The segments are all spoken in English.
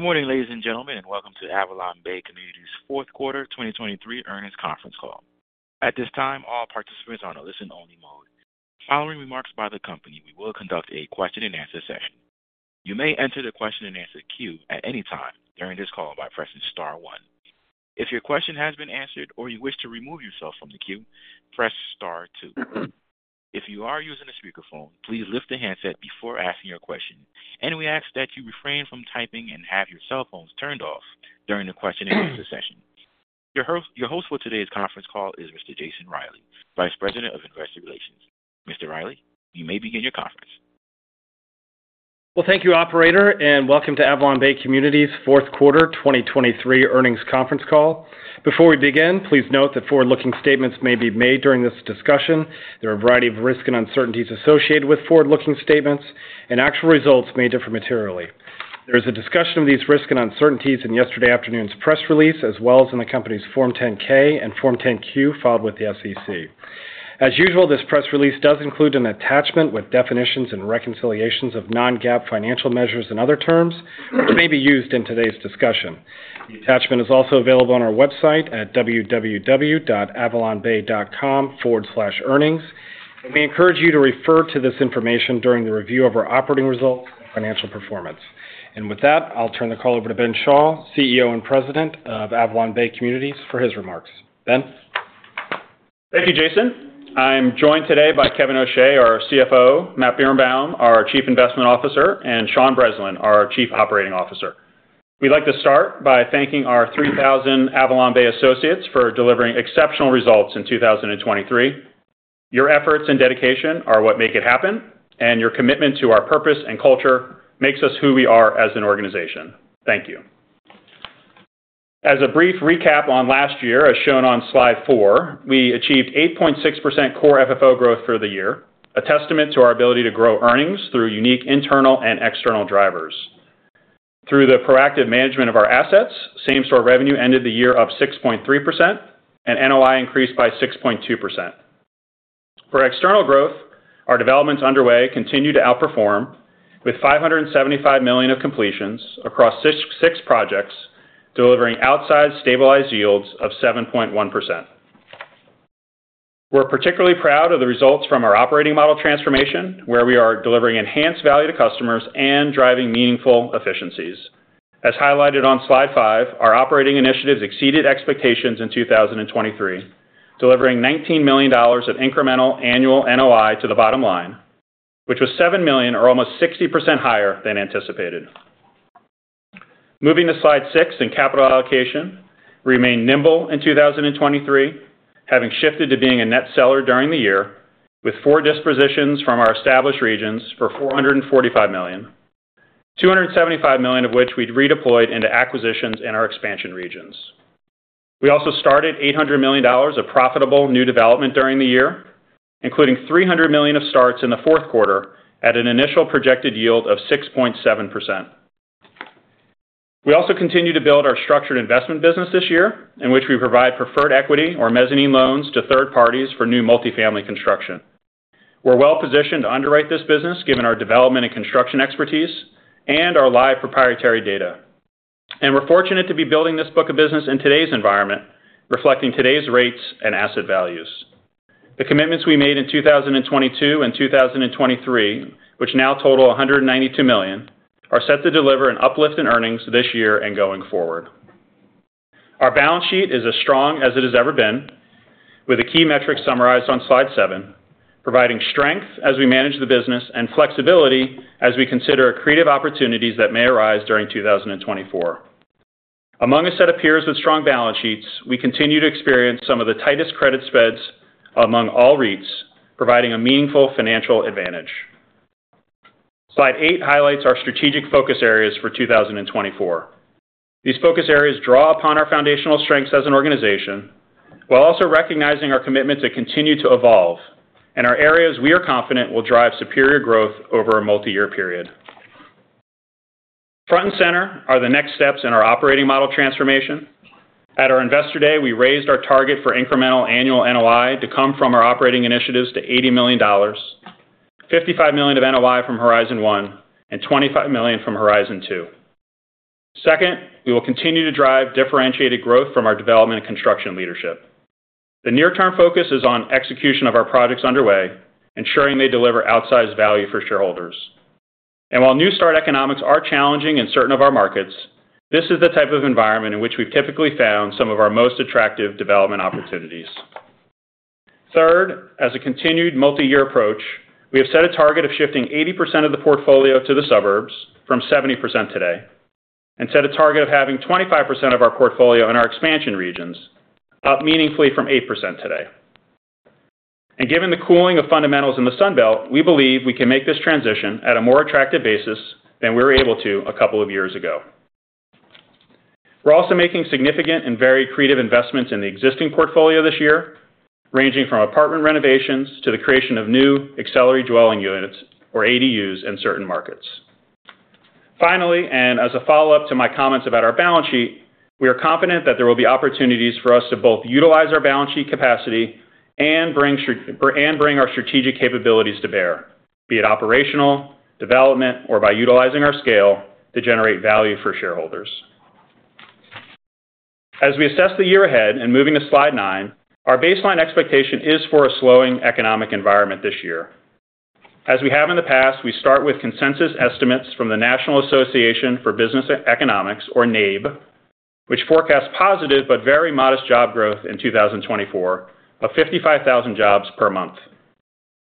Good morning, ladies and gentlemen, and welcome to AvalonBay Communities' Fourth Quarter 2023 Earnings Conference Call. At this time, all participants are on a listen-only mode. Following remarks by the company, we will conduct a question-and-answer session. You may enter the question-and-answer queue at any time during this call by pressing star one. If your question has been answered or you wish to remove yourself from the queue, press star two. If you are using a speakerphone, please lift the handset before asking your question, and we ask that you refrain from typing and have your cell phones turned off during the question-and-answer session. Your host for today's conference call is Mr. Jason Reilley, Vice President of Investor Relations. Mr. Reilley, you may begin your conference. Well, thank you, operator, and welcome to AvalonBay Communities' Fourth Quarter 2023 Earnings Conference Call. Before we begin, please note that forward-looking statements may be made during this discussion. There are a variety of risks and uncertainties associated with forward-looking statements, and actual results may differ materially. There is a discussion of these risks and uncertainties in yesterday afternoon's press release, as well as in the company's Form 10-K and Form 10-Q filed with the SEC. As usual, this press release does include an attachment with definitions and reconciliations of non-GAAP financial measures and other terms that may be used in today's discussion. The attachment is also available on our website at www.avalonbay.com/earnings, and we encourage you to refer to this information during the review of our operating results and financial performance. With that, I'll turn the call over to Ben Schall, CEO and President of AvalonBay Communities, for his remarks. Ben? Thank you, Jason. I'm joined today by Kevin O'Shea, our CFO, Matt Birenbaum, our Chief Investment Officer, and Sean Breslin, our Chief Operating Officer. We'd like to start by thanking our 3,000 AvalonBay associates for delivering exceptional results in 2023. Your efforts and dedication are what make it happen, and your commitment to our purpose and culture makes us who we are as an organization. Thank you. As a brief recap on last year, as shown on slide four, we achieved 8.6% core FFO growth for the year, a testament to our ability to grow earnings through unique internal and external drivers. Through the proactive management of our assets, same-store revenue ended the year up 6.3%, and NOI increased by 6.2%. For external growth, our developments underway continued to outperform, with $575 million of completions across six projects, delivering outsized stabilized yields of 7.1%. We're particularly proud of the results from our operating model transformation, where we are delivering enhanced value to customers and driving meaningful efficiencies. As highlighted on Slide 5, our operating initiatives exceeded expectations in 2023, delivering $19 million of incremental annual NOI to the bottom line, which was $7 million or almost 60% higher than anticipated. Moving to Slide 6 in capital allocation, we remained nimble in 2023, having shifted to being a net seller during the year, with four dispositions from our established regions for $445 million, $275 million of which we'd redeployed into acquisitions in our expansion regions. We also started $800 million of profitable new development during the year, including $300 million of starts in the fourth quarter at an initial projected yield of 6.7%. We also continued to build our structured investment business this year, in which we provide preferred equity or mezzanine loans to third parties for new multifamily construction. We're well positioned to underwrite this business given our development and construction expertise and our live proprietary data. And we're fortunate to be building this book of business in today's environment, reflecting today's rates and asset values. The commitments we made in 2022 and 2023, which now total $192 million, are set to deliver an uplift in earnings this year and going forward. Our balance sheet is as strong as it has ever been, with the key metrics summarized on slide seven, providing strength as we manage the business and flexibility as we consider creative opportunities that may arise during 2024. Among a set of peers with strong balance sheets, we continue to experience some of the tightest credit spreads among all REITs, providing a meaningful financial advantage. Slide 8 highlights our strategic focus areas for 2024. These focus areas draw upon our foundational strengths as an organization, while also recognizing our commitment to continue to evolve and are areas we are confident will drive superior growth over a multi-year period. Front and center are the next steps in our operating model transformation. At our Investor Day, we raised our target for incremental annual NOI to come from our operating initiatives to $80 million, $55 million of NOI from Horizon One and $25 million from Horizon Two. Second, we will continue to drive differentiated growth from our development and construction leadership. The near-term focus is on execution of our projects underway, ensuring they deliver outsized value for shareholders. And while new start economics are challenging in certain of our markets, this is the type of environment in which we've typically found some of our most attractive development opportunities. Third, as a continued multi-year approach, we have set a target of shifting 80% of the portfolio to the suburbs from 70% today, and set a target of having 25% of our portfolio in our expansion regions, up meaningfully from 8% today. Given the cooling of fundamentals in the Sun Belt, we believe we can make this transition at a more attractive basis than we were able to a couple of years ago. We're also making significant and very creative investments in the existing portfolio this year, ranging from apartment renovations to the creation of new accessory dwelling units, or ADUs, in certain markets. Finally, and as a follow-up to my comments about our balance sheet, we are confident that there will be opportunities for us to both utilize our balance sheet capacity and bring our strategic capabilities to bear, be it operational, development, or by utilizing our scale to generate value for shareholders. As we assess the year ahead and moving to slide nine, our baseline expectation is for a slowing economic environment this year. As we have in the past, we start with consensus estimates from the National Association for Business Economics, or NABE, which forecasts positive but very modest job growth in 2024, of 55,000 jobs per month.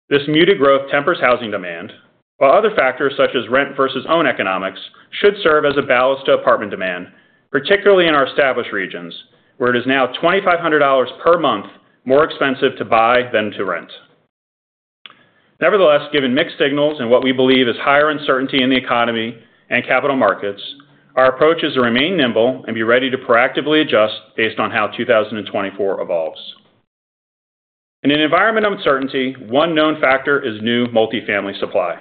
This muted growth tempers housing demand, while other factors, such as rent versus own economics, should serve as a ballast to apartment demand, particularly in our established regions, where it is now $2,500 per month more expensive to buy than to rent. Nevertheless, given mixed signals and what we believe is higher uncertainty in the economy and capital markets, our approach is to remain nimble and be ready to proactively adjust based on how 2024 evolves. In an environment of uncertainty, one known factor is new multifamily supply.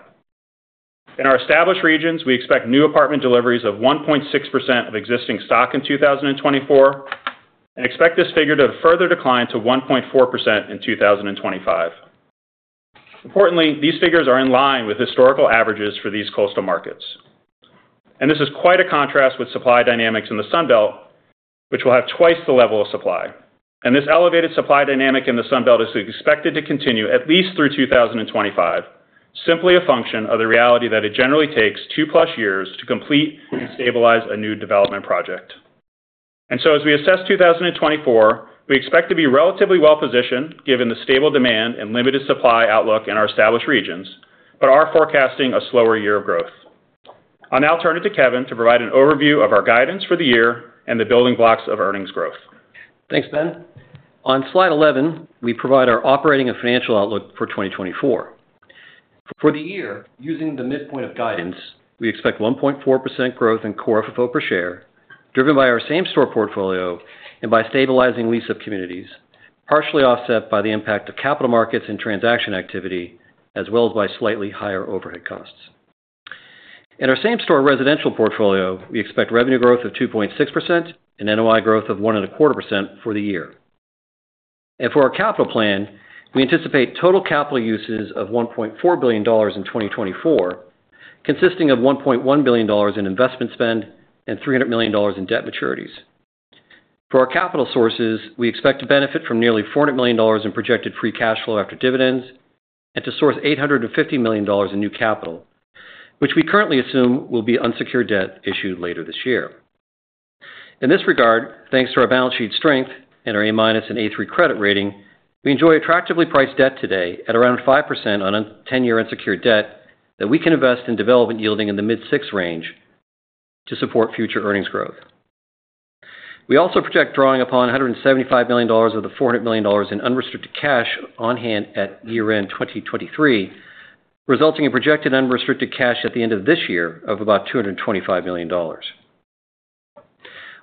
In our established regions, we expect new apartment deliveries of 1.6% of existing stock in 2024, and expect this figure to further decline to 1.4% in 2025. Importantly, these figures are in line with historical averages for these coastal markets, and this is quite a contrast with supply dynamics in the Sun Belt, which will have 2x the level of supply. This elevated supply dynamic in the Sun Belt is expected to continue at least through 2025, simply a function of the reality that it generally takes 2+ years to complete and stabilize a new development project. So as we assess 2024, we expect to be relatively well positioned, given the stable demand and limited supply outlook in our established regions, but are forecasting a slower year of growth. I'll now turn it to Kevin to provide an overview of our guidance for the year and the building blocks of earnings growth. Thanks, Ben. On slide 11, we provide our operating and financial outlook for 2024. For the year, using the midpoint of guidance, we expect 1.4% growth in core FFO per share, driven by our same-store portfolio and by stabilizing lease-up communities, partially offset by the impact of capital markets and transaction activity, as well as by slightly higher overhead costs. In our same-store residential portfolio, we expect revenue growth of 2.6% and NOI growth of 1.25% for the year. For our capital plan, we anticipate total capital uses of $1.4 billion in 2024, consisting of $1.1 billion in investment spend and $300 million in debt maturities. For our capital sources, we expect to benefit from nearly $400 million in projected free cash flow after dividends and to source $850 million in new capital, which we currently assume will be unsecured debt issued later this year. In this regard, thanks to our balance sheet strength and our A- and A3 credit rating, we enjoy attractively priced debt today at around 5% on a 10-year unsecured debt that we can invest in development yielding in the mid-6% range to support future earnings growth. We also project drawing upon $175 million of the $400 million in unrestricted cash on hand at year-end 2023, resulting in projected unrestricted cash at the end of this year of about $225 million.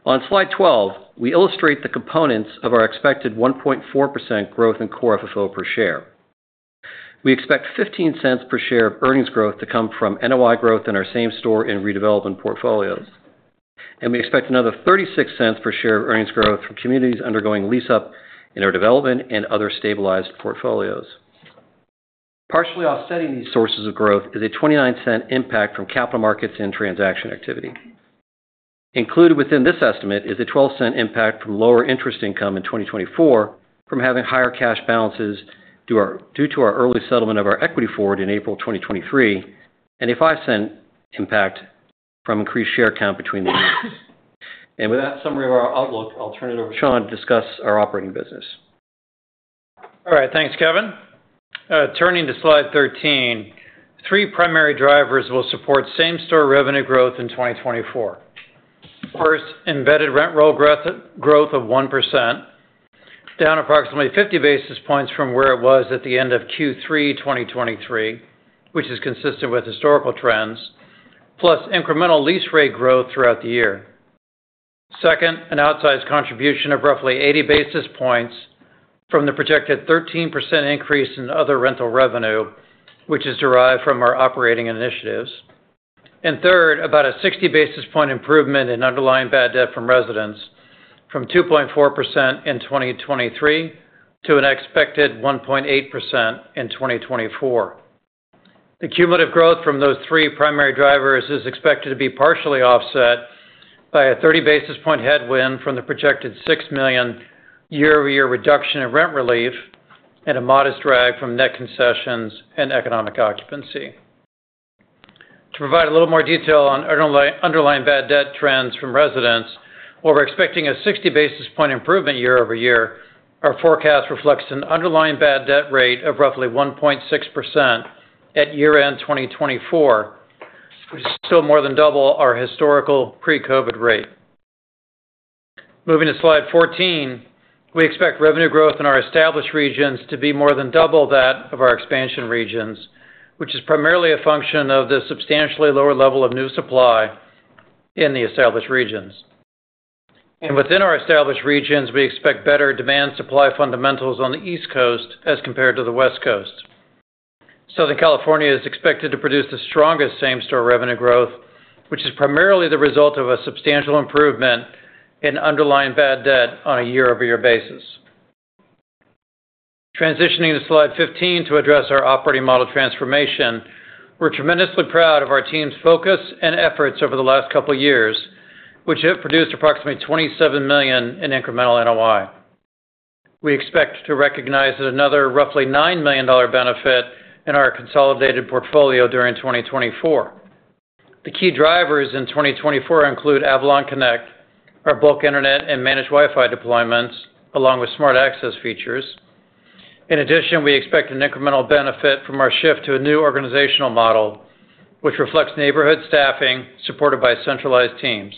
On slide 12, we illustrate the components of our expected 1.4% growth in core FFO per share. We expect $0.15 per share of earnings growth to come from NOI growth in our same-store and redevelopment portfolios. We expect another $0.36 per share of earnings growth from communities undergoing lease-up in our development and other stabilized portfolios. Partially offsetting these sources of growth is a $0.29 impact from capital markets and transaction activity. Included within this estimate is a $0.12 impact from lower interest income in 2024 from having higher cash balances due to our early settlement of our equity forward in April 2023, and a $0.05 impact from increased share count between the years. With that summary of our outlook, I'll turn it over to Sean to discuss our operating business. All right, thanks, Kevin. Turning to slide 13, three primary drivers will support same-store revenue growth in 2024. First, embedded rent roll growth, growth of 1%, down approximately 50 basis points from where it was at the end of Q3 2023, which is consistent with historical trends, plus incremental lease rate growth throughout the year. Second, an outsized contribution of roughly 80 basis points from the projected 13% increase in other rental revenue, which is derived from our operating initiatives. And third, about a 60 basis point improvement in underlying bad debt from residents from 2.4% in 2023 to an expected 1.8% in 2024. The cumulative growth from those three primary drivers is expected to be partially offset by a 30 basis points headwind from the projected $6 million year-over-year reduction in rent relief and a modest drag from net concessions and economic occupancy. To provide a little more detail on underlying bad debt trends from residents, while we're expecting a 60 basis points improvement year-over-year, our forecast reflects an underlying bad debt rate of roughly 1.6% at year-end 2024, which is still more than double our historical pre-COVID rate. Moving to slide 14, we expect revenue growth in our established regions to be more than double that of our expansion regions, which is primarily a function of the substantially lower level of new supply in the established regions. Within our established regions, we expect better demand supply fundamentals on the East Coast as compared to the West Coast. Southern California is expected to produce the strongest same-store revenue growth, which is primarily the result of a substantial improvement in underlying bad debt on a year-over-year basis. Transitioning to slide 15 to address our operating model transformation. We're tremendously proud of our team's focus and efforts over the last couple of years, which have produced approximately $27 million in incremental NOI. We expect to recognize another roughly $9 million benefit in our consolidated portfolio during 2024. The key drivers in 2024 include AvalonConnect, our bulk internet, and managed Wi-Fi deployments, along with smart access features. In addition, we expect an incremental benefit from our shift to a new organizational model, which reflects neighborhood staffing supported by centralized teams.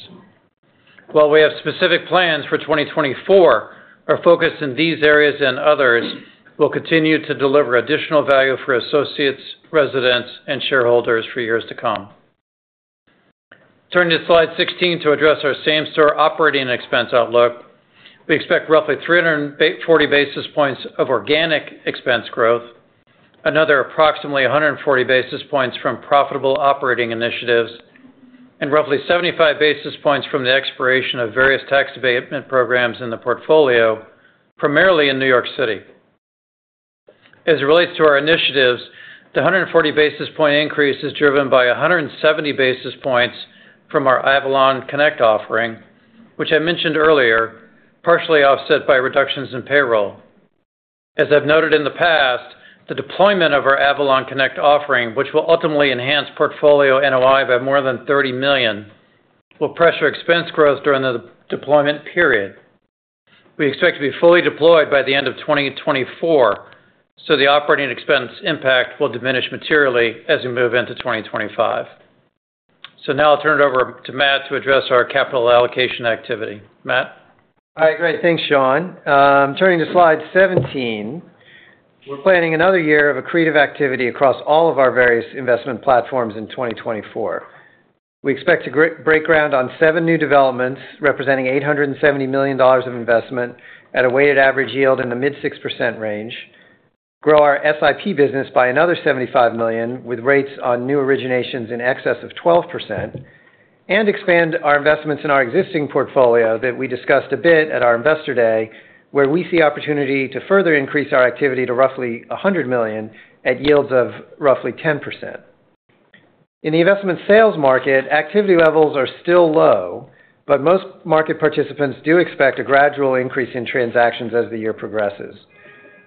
While we have specific plans for 2024, our focus in these areas and others will continue to deliver additional value for associates, residents, and shareholders for years to come. Turning to slide 16 to address our same-store operating expense outlook. We expect roughly 340 basis points of organic expense growth, another approximately 140 basis points from profitable operating initiatives, and roughly 75 basis points from the expiration of various tax abatement programs in the portfolio, primarily in New York City. As it relates to our initiatives, the 140 basis point increase is driven by 170 basis points from our AvalonConnect offering, which I mentioned earlier, partially offset by reductions in payroll. As I've noted in the past, the deployment of our AvalonConnect offering, which will ultimately enhance portfolio NOI by more than $30 million, will pressure expense growth during the deployment period. We expect to be fully deployed by the end of 2024, so the operating expense impact will diminish materially as we move into 2025. So now I'll turn it over to Matt to address our capital allocation activity. Matt? Hi. Great. Thanks, Sean. Turning to slide 17. We're planning another year of accretive activity across all of our various investment platforms in 2024. We expect to break ground on seven new developments, representing $870 million of investment at a weighted average yield in the mid-6% range, grow our SIP business by another $75 million, with rates on new originations in excess of 12%, and expand our investments in our existing portfolio that we discussed a bit at our Investor Day, where we see opportunity to further increase our activity to roughly $100 million at yields of roughly 10%. In the investment sales market, activity levels are still low, but most market participants do expect a gradual increase in transactions as the year progresses.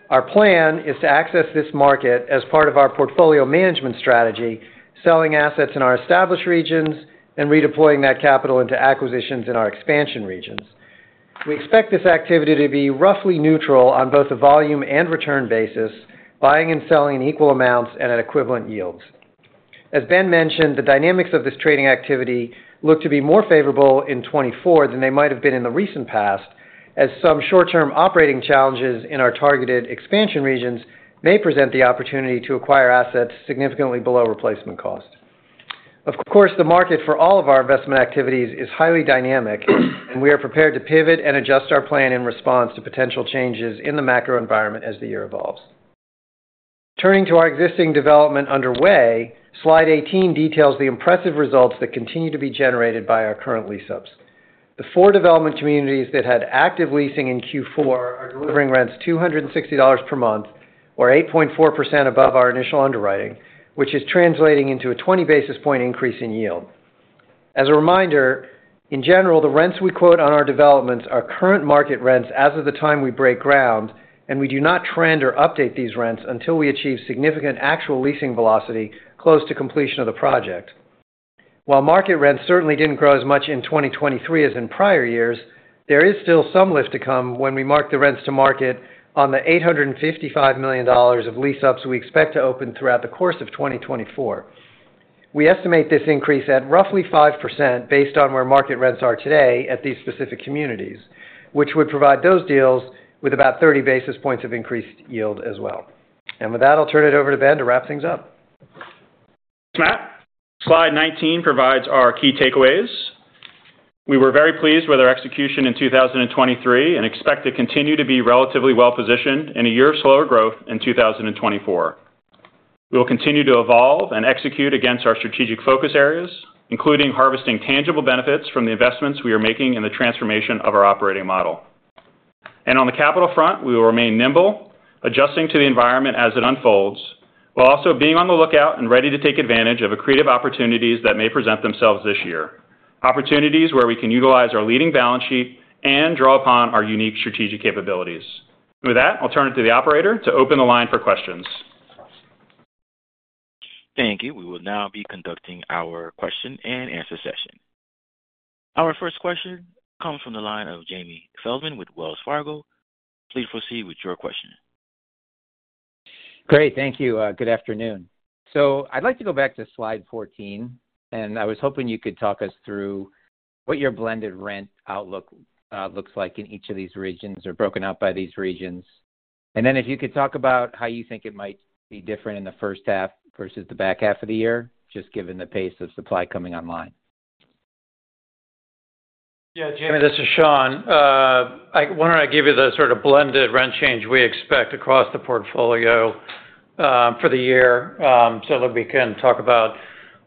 Our plan is to access this market as part of our portfolio management strategy, selling assets in our established regions and redeploying that capital into acquisitions in our expansion regions. We expect this activity to be roughly neutral on both a volume and return basis, buying and selling in equal amounts and at equivalent yields. As Ben mentioned, the dynamics of this trading activity look to be more favorable in 2024 than they might have been in the recent past, as some short-term operating challenges in our targeted expansion regions may present the opportunity to acquire assets significantly below replacement cost. Of course, the market for all of our investment activities is highly dynamic, and we are prepared to pivot and adjust our plan in response to potential changes in the macro environment as the year evolves. Turning to our existing development underway, slide 18 details the impressive results that continue to be generated by our current lease-ups. The four development communities that had active leasing in Q4 are delivering rents $260 per month, or 8.4% above our initial underwriting, which is translating into a 20 basis point increase in yield. As a reminder, in general, the rents we quote on our developments are current market rents as of the time we break ground, and we do not trend or update these rents until we achieve significant actual leasing velocity, close to completion of the project. While market rents certainly didn't grow as much in 2023 as in prior years, there is still some lift to come when we mark the rents to market on the $855 million of lease-ups we expect to open throughout the course of 2024. We estimate this increase at roughly 5% based on where market rents are today at these specific communities, which would provide those deals with about 30 basis points of increased yield as well. With that, I'll turn it over to Ben to wrap things up. Matt. Slide 19 provides our key takeaways. We were very pleased with our execution in 2023 and expect to continue to be relatively well-positioned in a year of slower growth in 2024. We will continue to evolve and execute against our strategic focus areas, including harvesting tangible benefits from the investments we are making in the transformation of our operating model. And on the capital front, we will remain nimble, adjusting to the environment as it unfolds, while also being on the lookout and ready to take advantage of accretive opportunities that may present themselves this year. Opportunities where we can utilize our leading balance sheet and draw upon our unique strategic capabilities. With that, I'll turn it to the operator to open the line for questions. Thank you. We will now be conducting our question-and-answer session. Our first question comes from the line of Jamie Feldman with Wells Fargo. Please proceed with your question. Great. Thank you. Good afternoon. So I'd like to go back to slide 14, and I was hoping you could talk us through what your blended rent outlook looks like in each of these regions or broken out by these regions. And then if you could talk about how you think it might be different in the first half versus the back half of the year, just given the pace of supply coming online. Yeah, Jamie, this is Sean. Why don't I give you the sort of blended rent change we expect across the portfolio for the year, so that we can talk about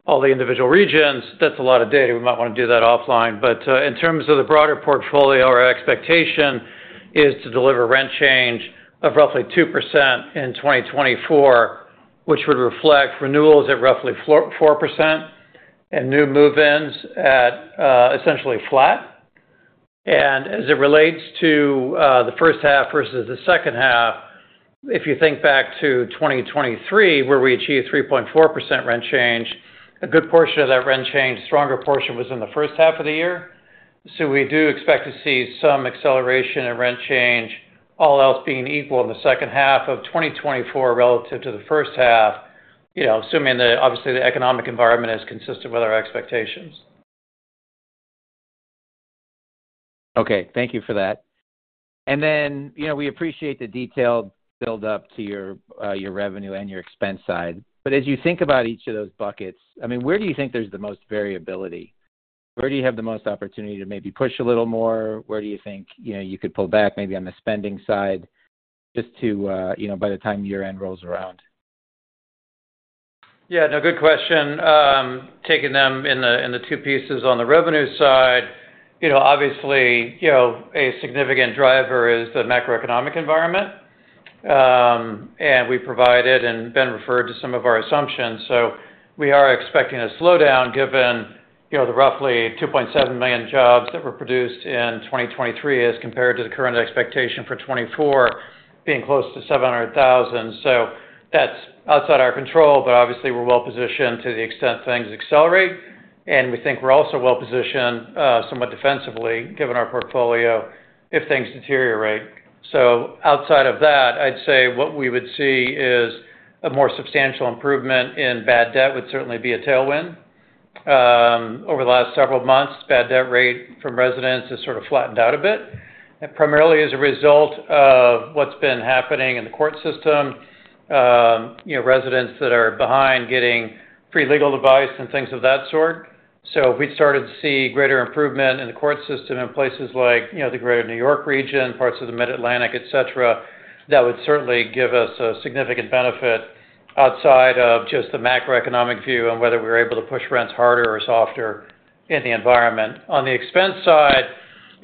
all the individual regions, that's a lot of data. We might want to do that offline. But in terms of the broader portfolio, our expectation is to deliver rent change of roughly 2% in 2024, which would reflect renewals at roughly 4.4% and new move-ins at essentially flat. And as it relates to the first half versus the second half, if you think back to 2023, where we achieved 3.4% rent change, a good portion of that rent change, stronger portion, was in the first half of the year. We do expect to see some acceleration in rent change, all else being equal in the second half of 2024 relative to the first half assuming that obviously, the economic environment is consistent with our expectations. Okay, thank you for that. And then we appreciate the detailed build-up to your, your revenue and your expense side. But as you think about each of those buckets, I mean, where do you think there's the most variability? Where do you have the most opportunity to maybe push a little more? Where do you think, you could pull back, maybe on the spending side, just to by the time year-end rolls around? Yeah, no, good question. Taking them in the two pieces on the revenue side obviously a significant driver is the macroeconomic environment. And we provided and Ben referred to some of our assumptions. So we are expecting a slowdown given the roughly 2.7 million jobs that were produced in 2023 as compared to the current expectation for 2024 being close to 700,000. So that's outside our control, but obviously, we're well positioned to the extent things accelerate, and we think we're also well positioned, somewhat defensively, given our portfolio, if things deteriorate. So outside of that, I'd say what we would see is a more substantial improvement in bad debt would certainly be a tailwind. Over the last several months, bad debt rate from residents has sort of flattened out a bit, and primarily as a result of what's been happening in the court system. Residents that are behind getting free legal advice and things of that sort. So if we started to see greater improvement in the court system in places like the greater New York region, parts of the Mid-Atlantic, et cetera, that would certainly give us a significant benefit outside of just the macroeconomic view on whether we're able to push rents harder or softer in the environment. On the expense side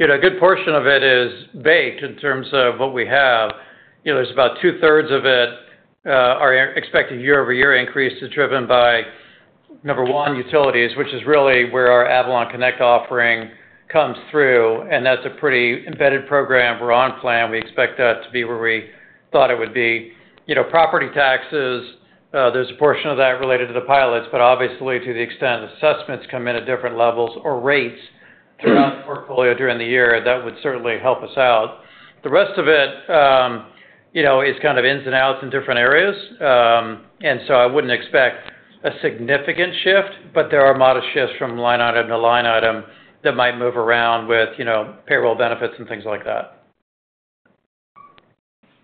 a good portion of it is baked in terms of what we have. There's about two-thirds of it are expected year-over-year increase is driven by number one, utilities, which is really where our AvalonConnect offering comes through, and that's a pretty embedded program. We're on plan. We expect that to be where we thought it would be. Property taxes, there's a portion of that related to the PILOTs, but obviously, to the extent assessments come in at different levels or rates throughout the portfolio during the year, that would certainly help us out. The rest of it is kind of ins and outs in different areas. And so I wouldn't expect a significant shift, but there are modest shifts from line item to line item that might move around with payroll benefits and things like that.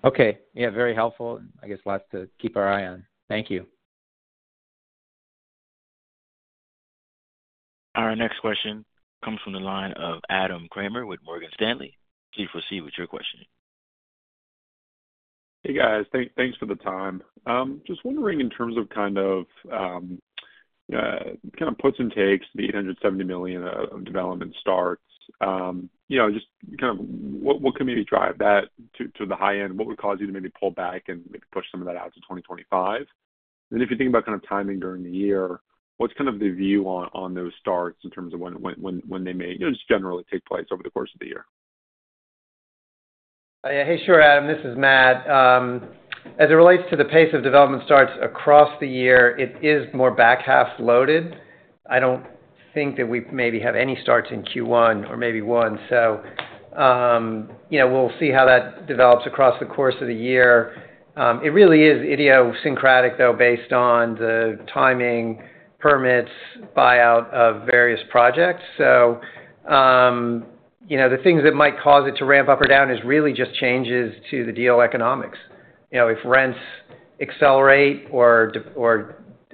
Okay. Yeah, very helpful. I guess lots to keep an eye on. Thank you. Our next question comes from the line of Adam Kramer with Morgan Stanley. Please proceed with your question. Hey, guys. Thanks for the time. Just wondering in terms of kind of puts and takes the $870 million of development starts just kind of what can maybe drive that to the high end? What would cause you to maybe pull back and maybe push some of that out to 2025? And if you think about kind of timing during the year, what's kind of the view on those starts in terms of when they may just generally take place over the course of the year? Hey, sure, Adam, this is Matt. As it relates to the pace of development starts across the year, it is more back half loaded. I don't think that we maybe have any starts in Q1 or maybe one. So we'll see how that develops across the course of the year. It really is idiosyncratic, though, based on the timing, permits, buyout of various projects. So the things that might cause it to ramp up or down is really just changes to the deal economics. If rents accelerate or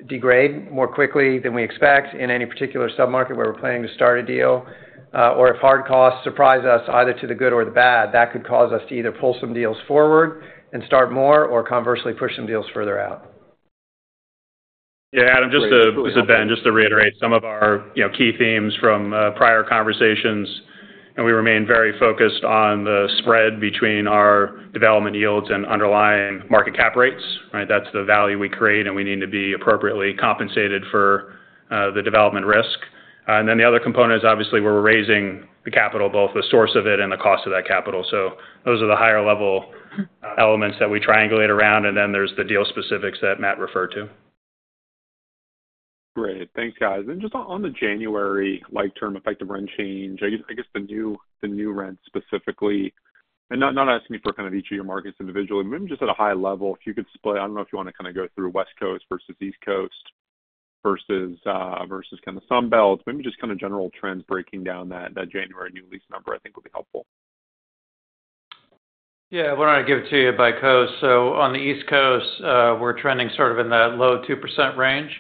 degrade more quickly than we expect in any particular submarket where we're planning to start a deal, or if hard costs surprise us either to the good or the bad, that could cause us to either pull some deals forward and start more or conversely, push some deals further out. Yeah, Adam, this is Ben. Just to reiterate some of our key themes from prior conversations, and we remain very focused on the spread between our development yields and underlying market cap rates, right? That's the value we create, and we need to be appropriately compensated for the development risk. And then the other component is obviously, we're raising the capital, both the source of it and the cost of that capital. So those are the higher level elements that we triangulate around, and then there's the deal specifics that Matt referred to. Great. Thanks, guys. And just on the January like term effective rent change, I guess the new rent specifically, and not asking you for kind of each of your markets individually. Maybe just at a high level, if you could display, I don't know if you want to kind of go through West Coast versus East Coast versus kind of Sun Belt. Maybe just kind of general trends breaking down that January new lease number I think would be helpful. Yeah, why don't I give it to you by coast? So on the East Coast, we're trending sort of in that low 2% range.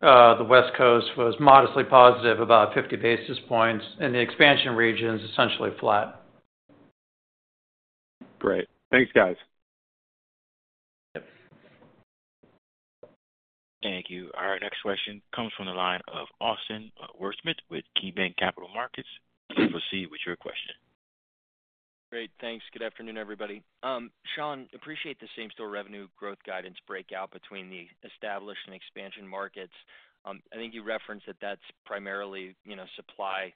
The West Coast was modestly positive, about 50 basis points, and the expansion region is essentially flat. Great. Thanks, guys. Thank you. Our next question comes from the line of Austin Wurschmidt with KeyBanc Capital Markets. Please proceed with your question. Great, thanks. Good afternoon, everybody. Sean, appreciate the same-store revenue growth guidance breakout between the established and expansion markets. I think you referenced that that's primarily supply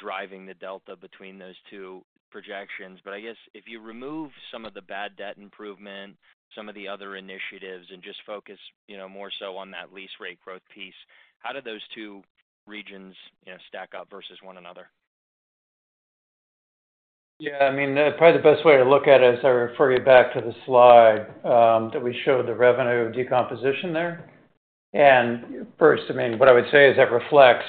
driving the delta between those two projections. But I guess if you remove some of the bad debt improvement, some of the other initiatives, and just focus more so on that lease rate growth piece, how do those two regions stack up versus one another? Yeah, I mean, probably the best way to look at it is I refer you back to the slide, that we showed the revenue decomposition there. And first, I mean, what I would say is that reflects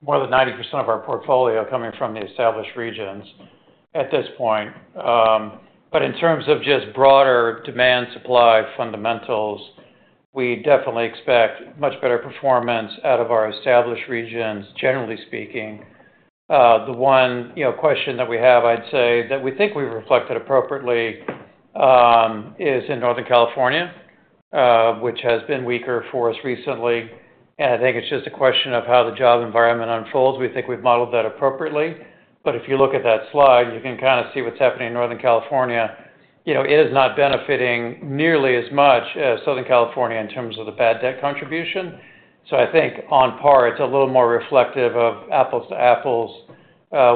more than 90% of our portfolio coming from the established regions at this point. But in terms of just broader demand supply fundamentals, we definitely expect much better performance out of our established regions, generally speaking. The one question that we have, I'd say, that we think we reflected appropriately, is in Northern California, which has been weaker for us recently, and I think it's just a question of how the job environment unfolds. We think we've modeled that appropriately, but if you look at that slide, you can kind of see what's happening in Northern California. It is not benefiting nearly as much as Southern California in terms of the bad debt contribution. So I think on par, it's a little more reflective of apples to apples,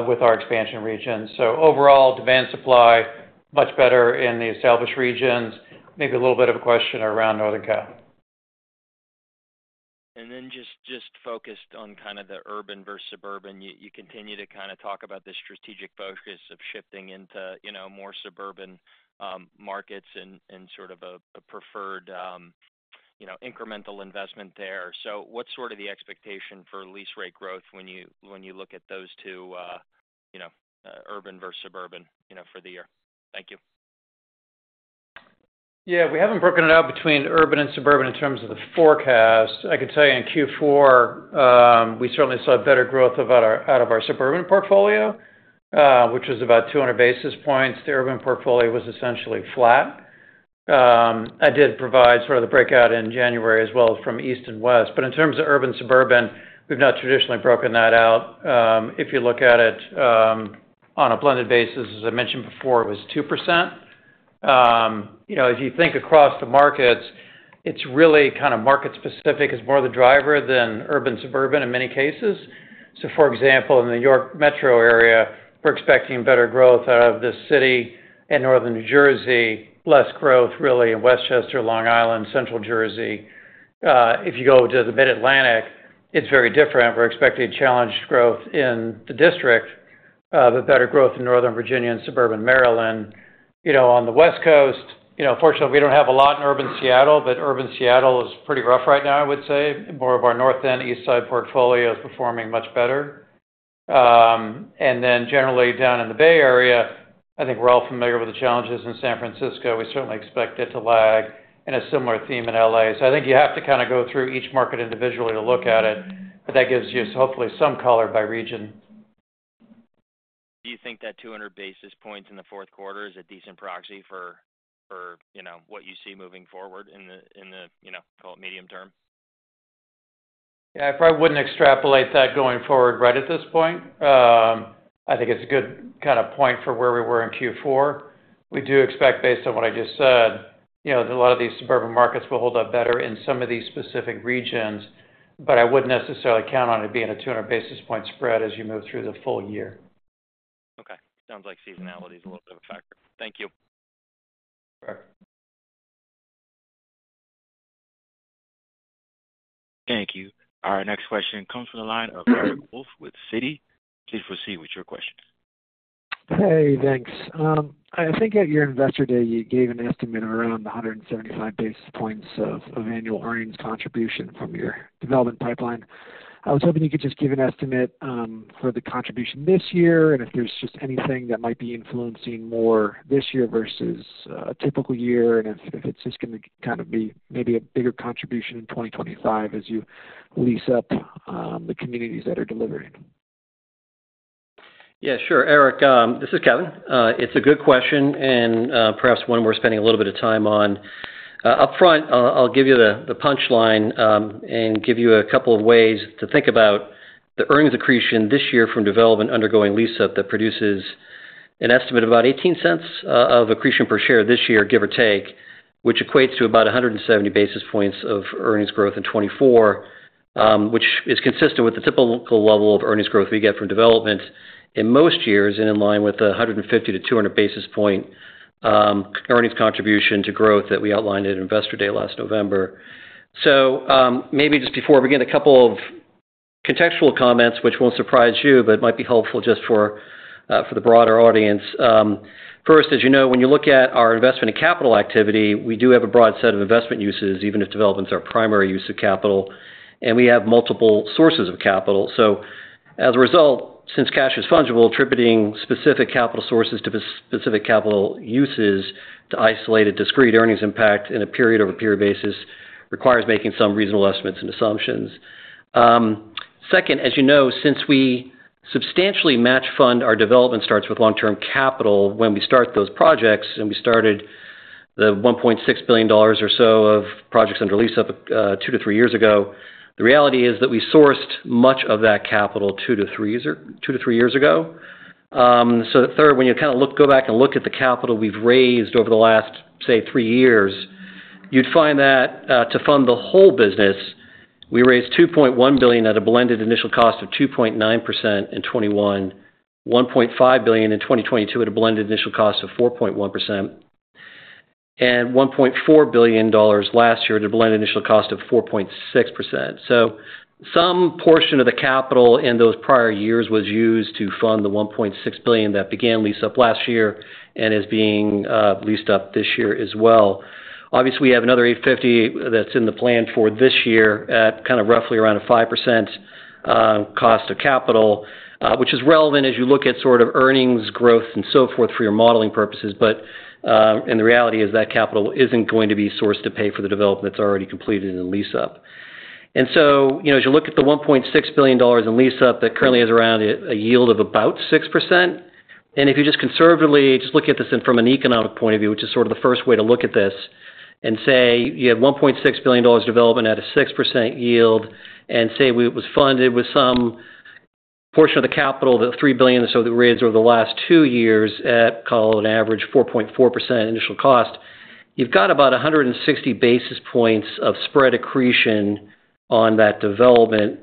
with our expansion regions. So overall, demand supply, much better in the established regions, maybe a little bit of a question around Northern Cal. And then just focused on kind of the urban versus suburban. You continue to kind of talk about the strategic focus of shifting into more suburban markets and sort of a preferred incremental investment there. So what's sort of the expectation for lease rate growth when you look at those two urban versus suburban for the year? Thank you. Yeah, we haven't broken it out between urban and suburban in terms of the forecast. I could tell you in Q4, we certainly saw better growth out of our suburban portfolio, which was about 200 basis points. The urban portfolio was essentially flat. I did provide sort of the breakout in January as well from east and west, but in terms of urban, suburban, we've not traditionally broken that out. If you look at it on a blended basis, as I mentioned before, it was 2%. As you think across the markets, it's really kind of market specific, is more the driver than urban suburban in many cases. So for example, in the New York metro area, we're expecting better growth out of the city and Northern New Jersey, less growth, really, in Westchester, Long Island, Central Jersey. If you go to the Mid-Atlantic, it's very different. We're expecting challenged growth in the District, but better growth in Northern Virginia and suburban Maryland. On the West Coast fortunately, we don't have a lot in urban Seattle, but urban Seattle is pretty rough right now, I would say. More of our North End, Eastside portfolio is performing much better. And then generally down in the Bay Area, I think we're all familiar with the challenges in San Francisco. We certainly expect it to lag, and a similar theme in LA. So I think you have to kind of go through each market individually to look at it, but that gives you hopefully some color by region. Do you think that 200 basis points in the fourth quarter is a decent proxy for what you see moving forward in the call it medium term? Yeah, I probably wouldn't extrapolate that going forward right at this point. I think it's a good kind of point for where we were in Q4. We do expect, based on what I just said a lot of these suburban markets will hold up better in some of these specific regions, but I wouldn't necessarily count on it being a 200 basis points spread as you move through the full year. Okay, sounds like seasonality is a little bit of a factor. Thank you. Correct. Thank you. Our next question comes from the line of Eric Wolfe with Citi. Please proceed with your question. Hey, thanks. I think at your Investor Day, you gave an estimate around 175 basis points of annual earnings contribution from your development pipeline. I was hoping you could just give an estimate for the contribution this year, and if there's just anything that might be influencing more this year versus a typical year, and if it's just gonna kind of be maybe a bigger contribution in 2025 as you lease up the communities that are delivering. Yeah, sure, Eric, this is Kevin. It's a good question, and perhaps one we're spending a little bit of time on. Upfront, I'll give you the punch line, and give you a couple of ways to think about the earnings accretion this year from development undergoing lease-up that produces an estimate of about $0.18 of accretion per share this year, give or take, which equates to about 170 basis points of earnings growth in 2024. Which is consistent with the typical level of earnings growth we get from development in most years, and in line with the 150-200 basis point earnings contribution to growth that we outlined at Investor Day last November. So, maybe just before we get a couple of contextual comments, which won't surprise you, but might be helpful just for the broader audience. First, as you know, when you look at our investment in capital activity, we do have a broad set of investment uses, even if development is our primary use of capital, and we have multiple sources of capital. So as a result, since cash is fungible, attributing specific capital sources to specific capital uses to isolate a discrete earnings impact in a period-over-period basis requires making some reasonable estimates and assumptions. Second, as you know, since we substantially match fund our development starts with long-term capital when we start those projects, and we started the $1.6 billion or so of projects under lease up two to three years ago, the reality is that we sourced much of that capital two to three years ago. So third, when you kind of go back and look at the capital we've raised over the last, say, three years, you'd find that to fund the whole business, we raised $2.1 billion at a blended initial cost of 2.9% in 2021, $1.5 billion in 2022 at a blended initial cost of 4.1%, and $1.4 billion last year at a blended initial cost of 4.6%. So some portion of the capital in those prior years was used to fund the $1.6 billion that began lease up last year and is being leased up this year as well. Obviously, we have another $850 million that's in the plan for this year at kind of roughly around a 5%, cost of capital, which is relevant as you look at sort of earnings growth and so forth for your modeling purposes. But, and the reality is that capital isn't going to be sourced to pay for the development that's already completed in the lease up. And so, as you look at the $1.6 billion in lease up, that currently is around a yield of about 6%. If you just conservatively, just look at this from an economic point of view, which is sort of the first way to look at this, and say you have $1.6 billion development at a 6% yield, and say it was funded with some portion of the capital, the $3 billion or so that we raised over the last two years at, call it, an average 4.4 initial cost, you've got about 160 basis points of spread accretion on that development,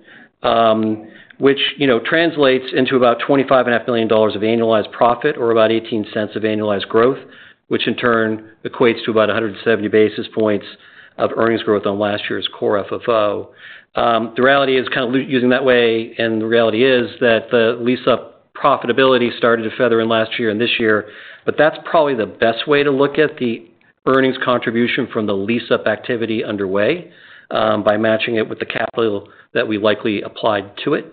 which translates into about $25.5 million of annualized profit, or about $0.18 of annualized growth, which in turn equates to about 170 basis points of earnings growth on last year's Core FFO. The reality is kind of using that way, and the reality is that the lease-up profitability started to feather in last year and this year, but that's probably the best way to look at the earnings contribution from the lease-up activity underway, by matching it with the capital that we likely applied to it.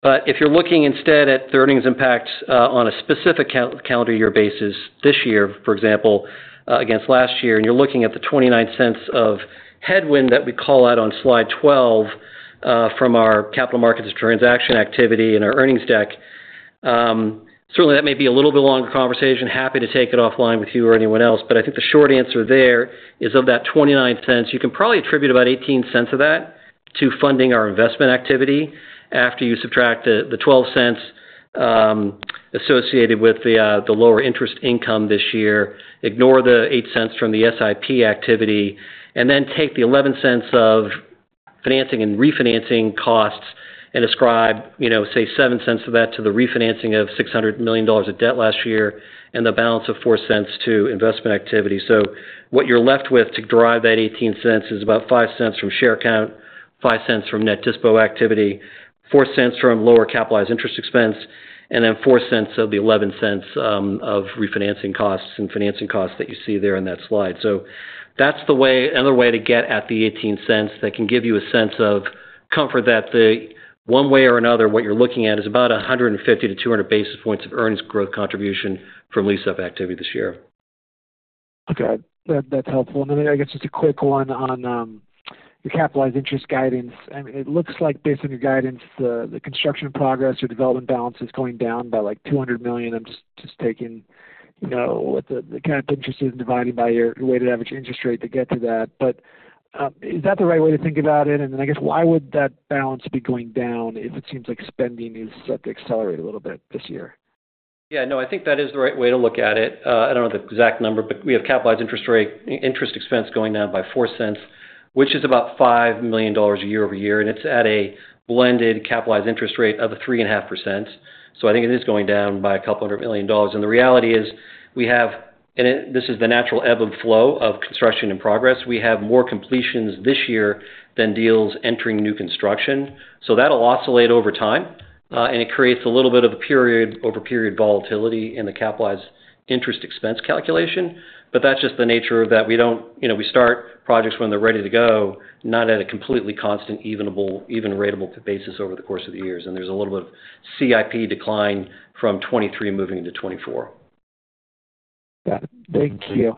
But if you're looking instead at the earnings impact, on a specific calendar year basis this year, for example, against last year, and you're looking at the $0.29 of headwind that we call out on slide 12, from our capital markets transaction activity and our earnings deck. Certainly, that may be a little bit longer conversation. Happy to take it offline with you or anyone else, but I think the short answer there is, of that $0.29, you can probably attribute about $0.18 of that to funding our investment activity after you subtract the $0.12 associated with the lower interest income this year, ignore the $0.08 from the SIP activity, and then take the $0.11 of financing and refinancing costs and ascribe say, $0.07 of that to the refinancing of $600 million of debt last year and the balance of $0.04 to investment activity. So what you're left with to drive that $0.18 is about $0.05 from share count, $0.05 from net dispo activity, $0.04 from lower capitalized interest expense, and then $0.04 of the $0.11 of refinancing costs and financing costs that you see there in that slide. So that's the way, another way to get at the $0.18 that can give you a sense of comfort that the one way or another, what you're looking at is about 150-200 basis points of earnings growth contribution from lease-up activity this year. Okay. That's helpful. And then, I guess, just a quick one on the capitalized interest guidance. And it looks like based on your guidance, the construction progress or development balance is going down by, like, $200 million. I'm just taking what the kind of interest is and dividing by your weighted average interest rate to get to that. But is that the right way to think about it? And then, I guess, why would that balance be going down if it seems like spending is set to accelerate a little bit this year? Yeah, no, I think that is the right way to look at it. I don't know the exact number, but we have capitalized interest, interest expense going down by $0.04, which is about $5 million year-over-year, and it's at a blended capitalized interest rate of 3.5%. So I think it is going down by $200 million. And the reality is, we have, and this is the natural ebb and flow of construction in progress. We have more completions this year than deals entering new construction, so that'll oscillate over time, and it creates a little bit of a period-over-period volatility in the capitalized interest expense calculation. But that's just the nature of that. We don't... You know, we start projects when they're ready to go, not at a completely constant, even ratable basis over the course of the years, and there's a little bit of CIP decline from 2023 moving into 2024. Yeah. Thank you.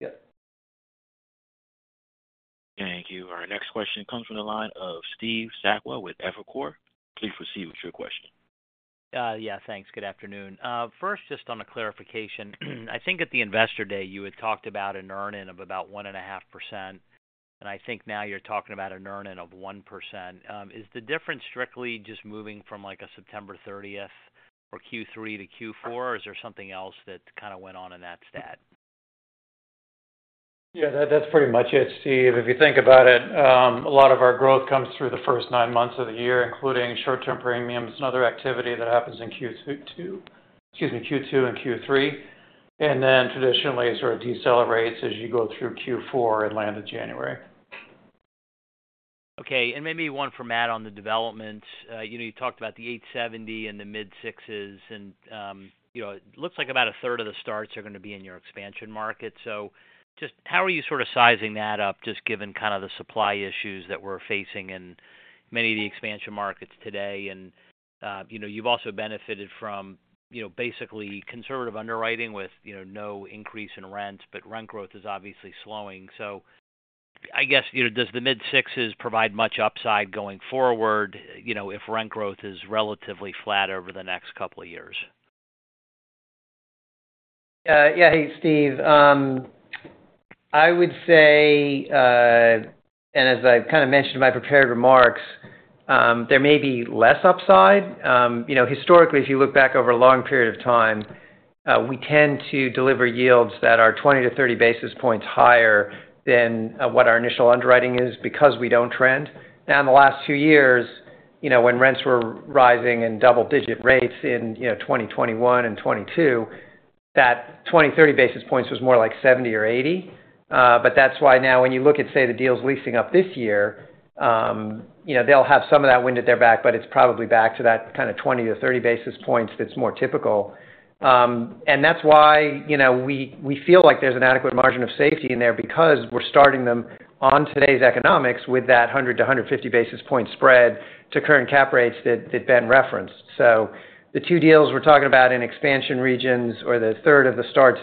Yeah. Thank you. Our next question comes from the line of Steve Sakwa with Evercore. Please proceed with your question. Yeah, thanks. Good afternoon. First, just on a clarification, I think at the Investor Day, you had talked about an earn-in of about 1.5%, and I think now you're talking about an earn-in of 1%. Is the difference strictly just moving from, like, a September thirtieth or Q3 to Q4, or is there something else that kind of went on in that stat? Yeah, that's pretty much it, Steve. If you think about it, a lot of our growth comes through the first nine months of the year, including short-term premiums and other activity that happens in Q2, excuse me, Q2 and Q3, and then traditionally sort of decelerates as you go through Q4 and land in January. Okay, and maybe one for Matt on the development. You talked about the 8.70 and the mid-6s, and it looks like about a third of the starts are gonna be in your expansion market. So just how are you sort of sizing that up, just given kind of the supply issues that we're facing and many of the expansion markets today. And you've also benefited from basically conservative underwriting with no increase in rents, but rent growth is obviously slowing. So I guess does the mid-6s provide much upside going forward if rent growth is relatively flat over the next couple of years? Yeah. Hey, Steve. I would say, and as I kind of mentioned in my prepared remarks, there may be less upside. Historically, if you look back over a long period of time, we tend to deliver yields that are 20-30 basis points higher than what our initial underwriting is, because we don't trend. Now, in the last two years when rents were rising in double-digit rates in 2021 and 2022, that 20-30 basis points was more like 70 or 80. But that's why now when you look at, say, the deals leasing up this year they'll have some of that wind at their back, but it's probably back to that kind of 20-30 basis points that's more typical. That's why we feel like there's an adequate margin of safety in there because we're starting them on today's economics with that 100-150 basis point spread to current cap rates that Ben referenced. So the two deals we're talking about in expansion regions, or the third of the starts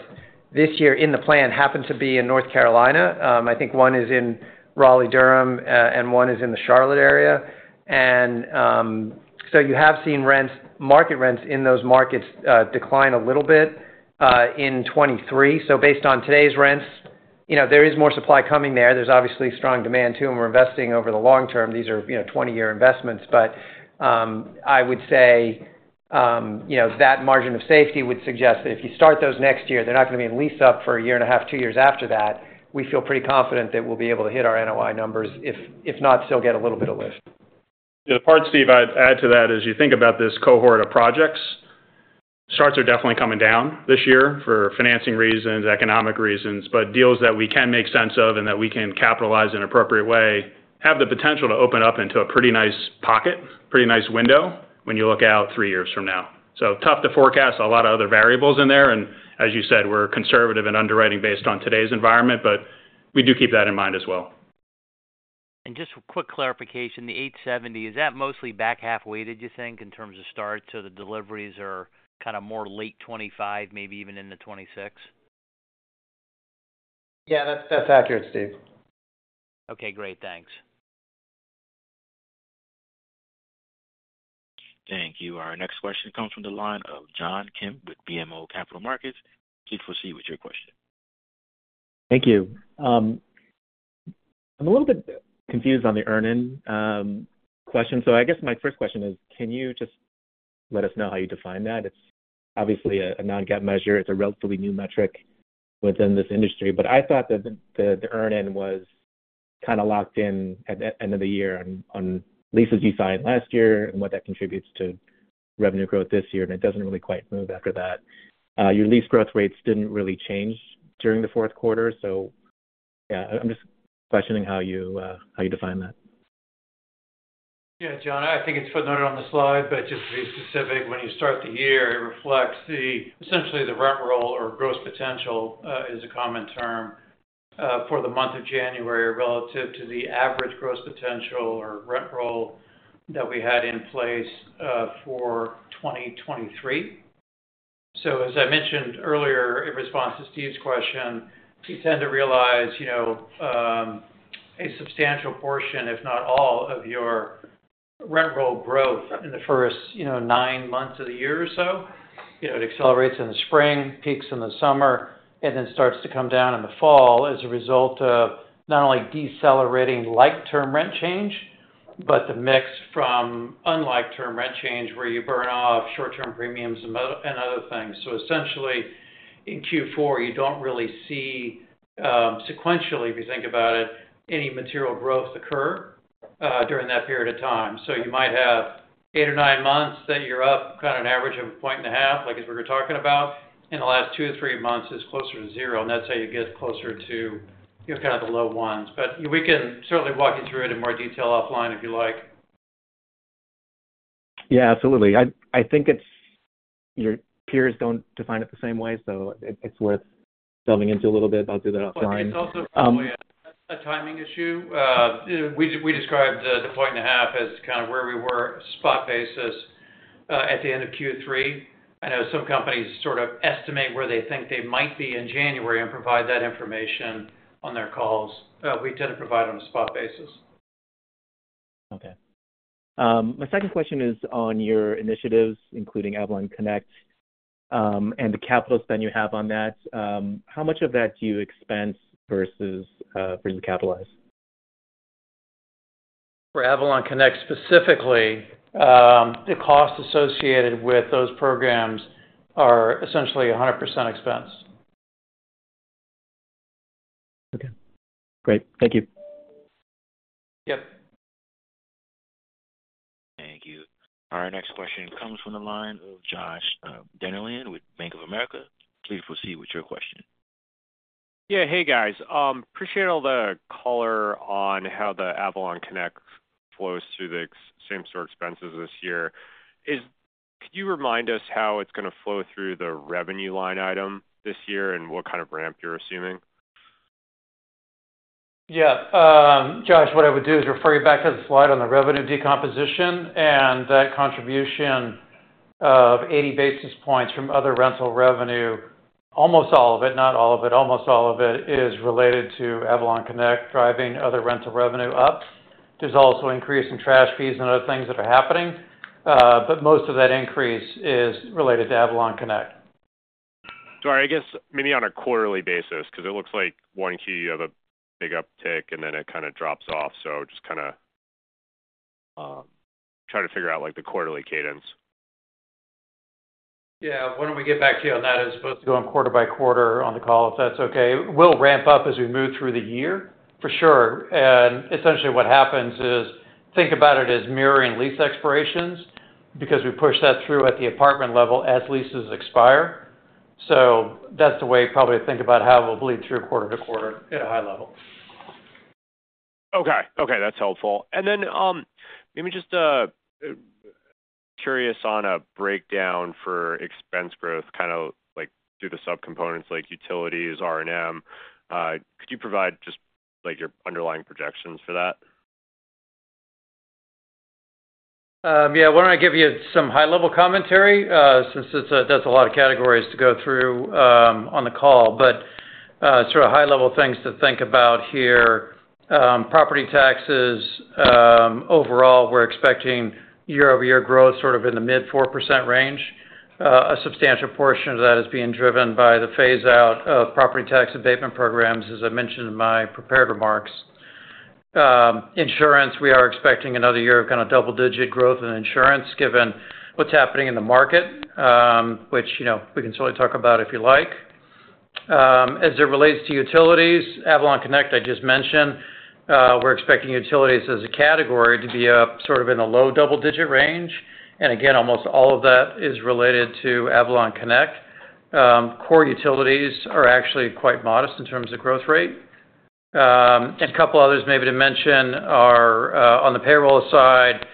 this year in the plan, happen to be in North Carolina. I think one is in Raleigh-Durham, and one is in the Charlotte area. So you have seen rents, market rents in those markets, decline a little bit, in 2023. So based on today's rents there is more supply coming there. There's obviously strong demand, too, and we're investing over the long term. These are 20-year investments, but, I would say that margin of safety would suggest that if you start those next year, they're not going to be in lease-up for a year and a half, 2 years after that. We feel pretty confident that we'll be able to hit our NOI numbers, if, if not, still get a little bit of lift. The part, Steve, I'd add to that is, you think about this cohort of projects. Starts are definitely coming down this year for financing reasons, economic reasons, but deals that we can make sense of and that we can capitalize in an appropriate way have the potential to open up into a pretty nice pocket, pretty nice window when you look out three years from now. So tough to forecast. A lot of other variables in there, and as you said, we're conservative in underwriting based on today's environment, but we do keep that in mind as well. Just a quick clarification. The 870, is that mostly back-half weighted, you think, in terms of starts, so the deliveries are kind of more late 2025, maybe even into 2026? Yeah, that's, that's accurate, Steve. Okay, great. Thanks. Thank you. Our next question comes from the line of John Kim with BMO Capital Markets. Please proceed with your question. Thank you. I'm a little bit confused on the Earn-In question. So I guess my first question is, can you just let us know how you define that? It's obviously a non-GAAP measure. It's a relatively new metric within this industry, but I thought that the Earn-In was kind of locked in at the end of the year on leases you signed last year and what that contributes to revenue growth this year, and it doesn't really quite move after that. Your lease growth rates didn't really change during the fourth quarter. So yeah, I'm just questioning how you define that. Yeah, John, I think it's footnoted on the slide, but just to be specific, when you start the year, it reflects the, essentially the rent roll or gross potential is a common term for the month of January relative to the average gross potential or rent roll that we had in place for 2023. So as I mentioned earlier in response to Steve's question, you tend to realize, you know, a substantial portion, if not all, of your rent roll growth in the first, you know, nine months of the year or so. You know, it accelerates in the spring, peaks in the summer, and then starts to come down in the fall as a result of not only decelerating like term rent change, but the mix from unlike term rent change, where you burn off short-term premiums and other things. So essentially, in Q4, you don't really see sequentially, if you think about it, any material growth occur during that period of time. So you might have eight or nine months that you're up an average of a 1.5, like as we were talking about, in the last two or three months is closer to zero, and that's how you get closer to the low ones. But we can certainly walk you through it in more detail offline, if you like. Yeah, absolutely. I think your peers don't define it the same way, so it's worth delving into a little bit, but I'll do that offline. It's also probably a timing issue. We described the 1.5 as kind of where we were spot basis at the end of Q3. I know some companies sort of estimate where they think they might be in January and provide that information on their calls. We tend to provide on a spot basis. Okay. My second question is on your initiatives, including AvalonConnect, and the capital spend you have on that. How much of that do you expense versus capitalize? For AvalonConnect specifically, the costs associated with those programs are essentially 100% expense. Okay, great. Thank you. Thank you. Our next question comes from the line of Josh Dennerlein with Bank of America. Please proceed with your question. Yeah. Hey, guys. Appreciate all the color on how the AvalonConnect flows through the same store expenses this year. Can you remind us how it's going to flow through the revenue line item this year and what kind of ramp you're assuming? Yeah. Josh, what I would do is refer you back to the slide on the revenue decomposition, and that contribution of 80 basis points from other rental revenue, almost all of it, not all of it, almost all of it is related to AvalonConnect driving other rental revenue up. There's also increase in trash fees and other things that are happening, but most of that increase is related to AvalonConnect. Sorry, I guess maybe on a quarterly basis, 'cause it looks like one key, you have a big uptick, and then it kind of drops off. So just kind of, try to figure out, like, the quarterly cadence. Yeah. Why don't we get back to you on that as opposed to going quarter by quarter on the call, if that's okay? We'll ramp up as we move through the year, for sure. And essentially, what happens is, think about it as mirroring lease expirations, because we push that through at the apartment level as leases expire. So that's the way probably to think about how it will bleed through quarter to quarter at a high level. Okay. Okay, that's helpful. And then, maybe just, curious on a breakdown for expense growth, kind of like through the subcomponents, like utilities, R&M. Could you provide just, like, your underlying projections for that? Yeah, why don't I give you some high-level commentary, since that's a lot of categories to go through, on the call. But, sort of high-level things to think about here. Property taxes, overall, we're expecting year-over-year growth, sort of in the mid-4% range. A substantial portion of that is being driven by the phaseout of property tax abatement programs, as I mentioned in my prepared remarks. Insurance, we are expecting another year of kind of double-digit growth in insurance, given what's happening in the market, which, you know, we can certainly talk about if you like. As it relates to utilities, AvalonConnect, I just mentioned, we're expecting utilities as a category to be up sort of in the low double-digit range, and again, almost all of that is related to AvalonConnect. Core utilities are actually quite modest in terms of growth rate. And a couple others maybe to mention are, on the payroll side,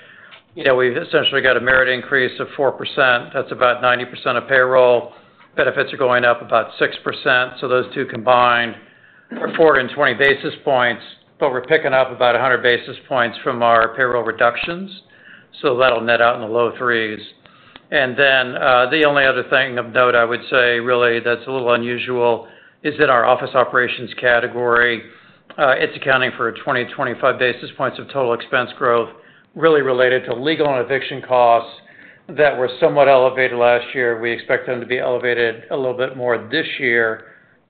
you know, we've essentially got a merit increase of 4%. That's about 90% of payroll. Benefits are going up about 6%, so those two combined are 420 basis points, but we're picking up about 100 basis points from our payroll reductions, so that'll net out in the low 3s. And then, the only other thing of note, I would say, really, that's a little unusual is in our office operations category. It's accounting for 20-25 basis points of total expense growth, really related to legal and eviction costs that were somewhat elevated last year. We expect them to be elevated a little bit more this year,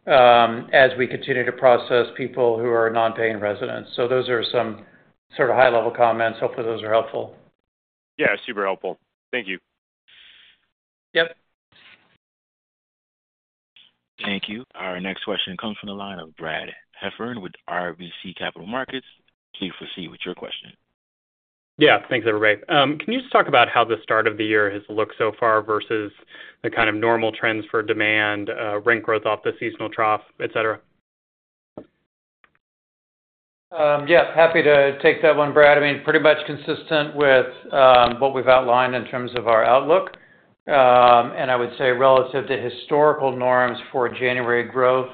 as we continue to process people who are non-paying residents. So those are some sort of high-level comments. Hopefully, those are helpful. Yeah, super helpful. Thank you. Thank you. Our next question comes from the line of Brad Heffern with RBC Capital Markets. Please proceed with your question. Yeah, thanks, everybody. Can you just talk about how the start of the year has looked so far versus the kind of normal trends for demand, rent growth off the seasonal trough, et cetera? Yeah, happy to take that one, Brad. I mean, pretty much consistent with what we've outlined in terms of our outlook. And I would say relative to historical norms for January growth,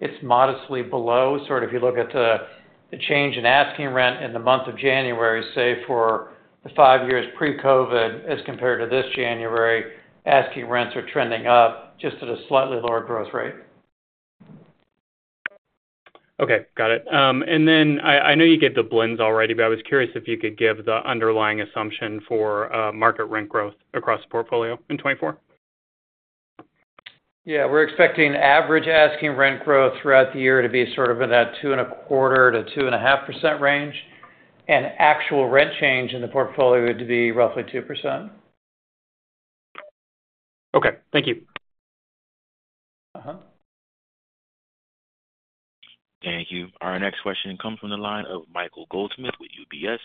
it's modestly below. Sort of if you look at the change in asking rent in the month of January, say, for the five years pre-COVID, as compared to this January, asking rents are trending up just at a slightly lower growth rate. Okay, got it. And then I know you gave the blends already, but I was curious if you could give the underlying assumption for market rent growth across the portfolio in 2024? Yeah, we're expecting average asking rent growth throughout the year to be sort of in that 2.25%-2.5% range, and actual rent change in the portfolio to be roughly 2%. Okay, thank you. Thank you. Our next question comes from the line of Michael Goldsmith with UBS.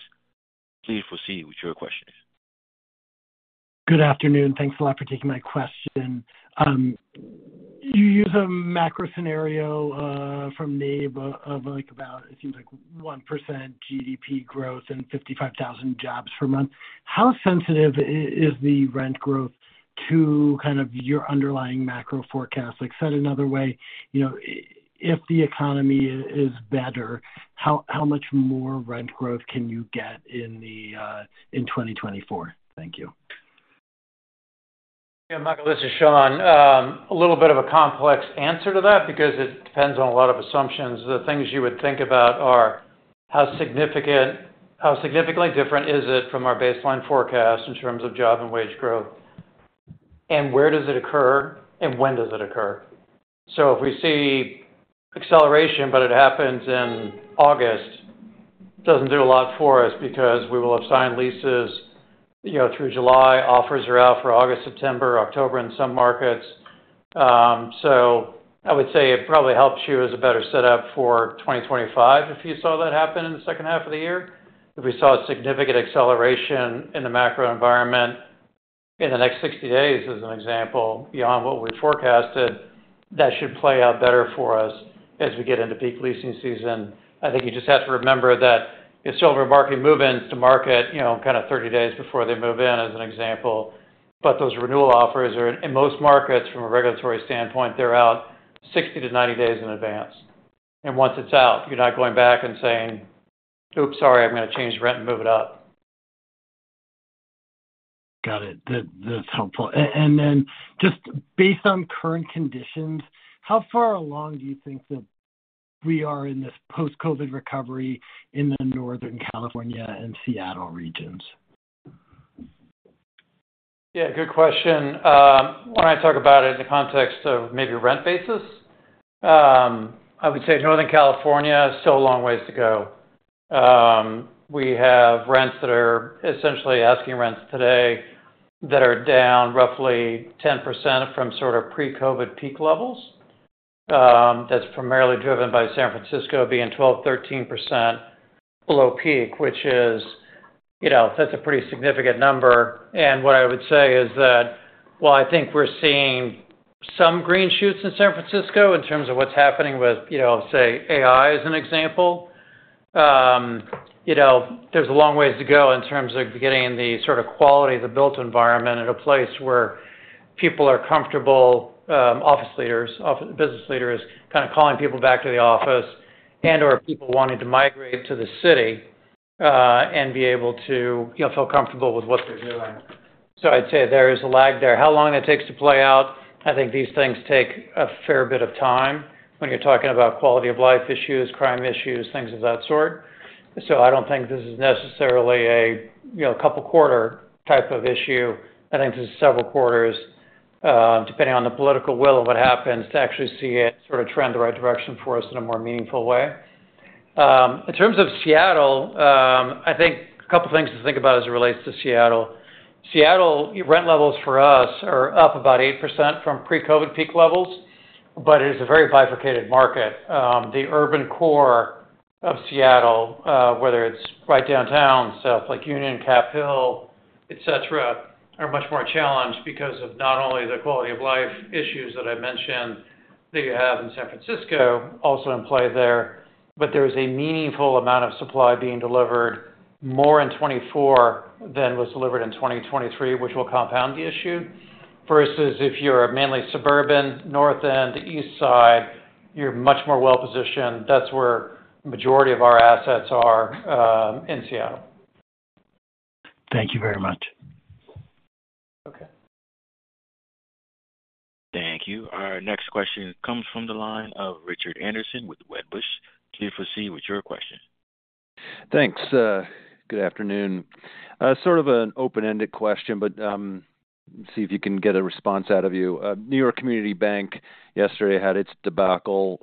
Please proceed with your question. Good afternoon. Thanks a lot for taking my question. You use a macro scenario from NABE of, like about, it seems like 1% GDP growth and 55,000 jobs per month. How sensitive is the rent growth to kind of your underlying macro forecast? Like, said another way if the economy is better, how, how much more rent growth can you get in the, in 2024? Thank you. Yeah, Michael, this is Sean. A little bit of a complex answer to that because it depends on a lot of assumptions. The things you would think about are: how significant, how significantly different is it from our baseline forecast in terms of job and wage growth? And where does it occur, and when does it occur? So if we see acceleration, but it happens in August, doesn't do a lot for us because we will have signed leases through July. Offers are out for August, September, October in some markets. So I would say it probably helps you as a better setup for 2025 if you saw that happen in the second half of the year. If we saw a significant acceleration in the macro environment in the next 60 days, as an example, beyond what we forecasted, that should play out better for us as we get into peak leasing season. I think you just have to remember that it's still remarket move-ins to market 30 days before they move in, as an example. But those renewal offers are in most markets from a regulatory standpoint, they're out 60-90 days in advance. And once it's out, you're not going back and saying, "Oops, sorry, I'm going to change the rent and move it up". Got it. That, that's helpful. And then just based on current conditions, how far along do you think that we are in this post-COVID recovery in the Northern California and Seattle regions? Yeah, good question. Why don't I talk about it in the context of maybe rent basis? I would say Northern California, still a long ways to go. We have rents that are essentially asking rents today that are down roughly 10% from sort of pre-COVID peak levels. That's primarily driven by San Francisco being 12%-13% below peak, which is that's a pretty significant number. What I would say is that while I think we're seeing some green shoots in San Francisco in terms of what's happening with say, AI, as an example there's a long ways to go in terms of getting the sort of quality of the built environment in a place where people are comfortable, business leaders, kind of calling people back to the office and/or people wanting to migrate to the city, and be able to feel comfortable with what they're doing. I'd say there is a lag there. How long it takes to play out, I think these things take a fair bit of time when you're talking about quality of life issues, crime issues, things of that sort. I don't think this is necessarily a couple quarter type of issue. I think this is several quarters, depending on the political will of what happens, to actually see it sort of trend the right direction for us in a more meaningful way. In terms of Seattle, I think a couple of things to think about as it relates to Seattle. Seattle, rent levels for us are up about 8% from pre-COVID peak levels, but it is a very bifurcated market. The urban core of Seattle, whether it's right downtown, stuff like Union, Capitol Hill, et cetera, are much more challenged because of not only the quality of life issues that I mentioned that you have in San Francisco, also in play there, but there's a meaningful amount of supply being delivered, more in 2024 than was delivered in 2023, which will compound the issue. Versus if you're a mainly suburban North End, Eastside, you're much more well-positioned. That's where majority of our assets are, in Seattle. Thank you very much. Thank you. Our next question comes from the line of Richard Anderson with Wedbush. Please proceed with your question. Thanks, good afternoon. Sort of an open-ended question, but see if you can get a response out of you. New York Community Bank yesterday had its debacle,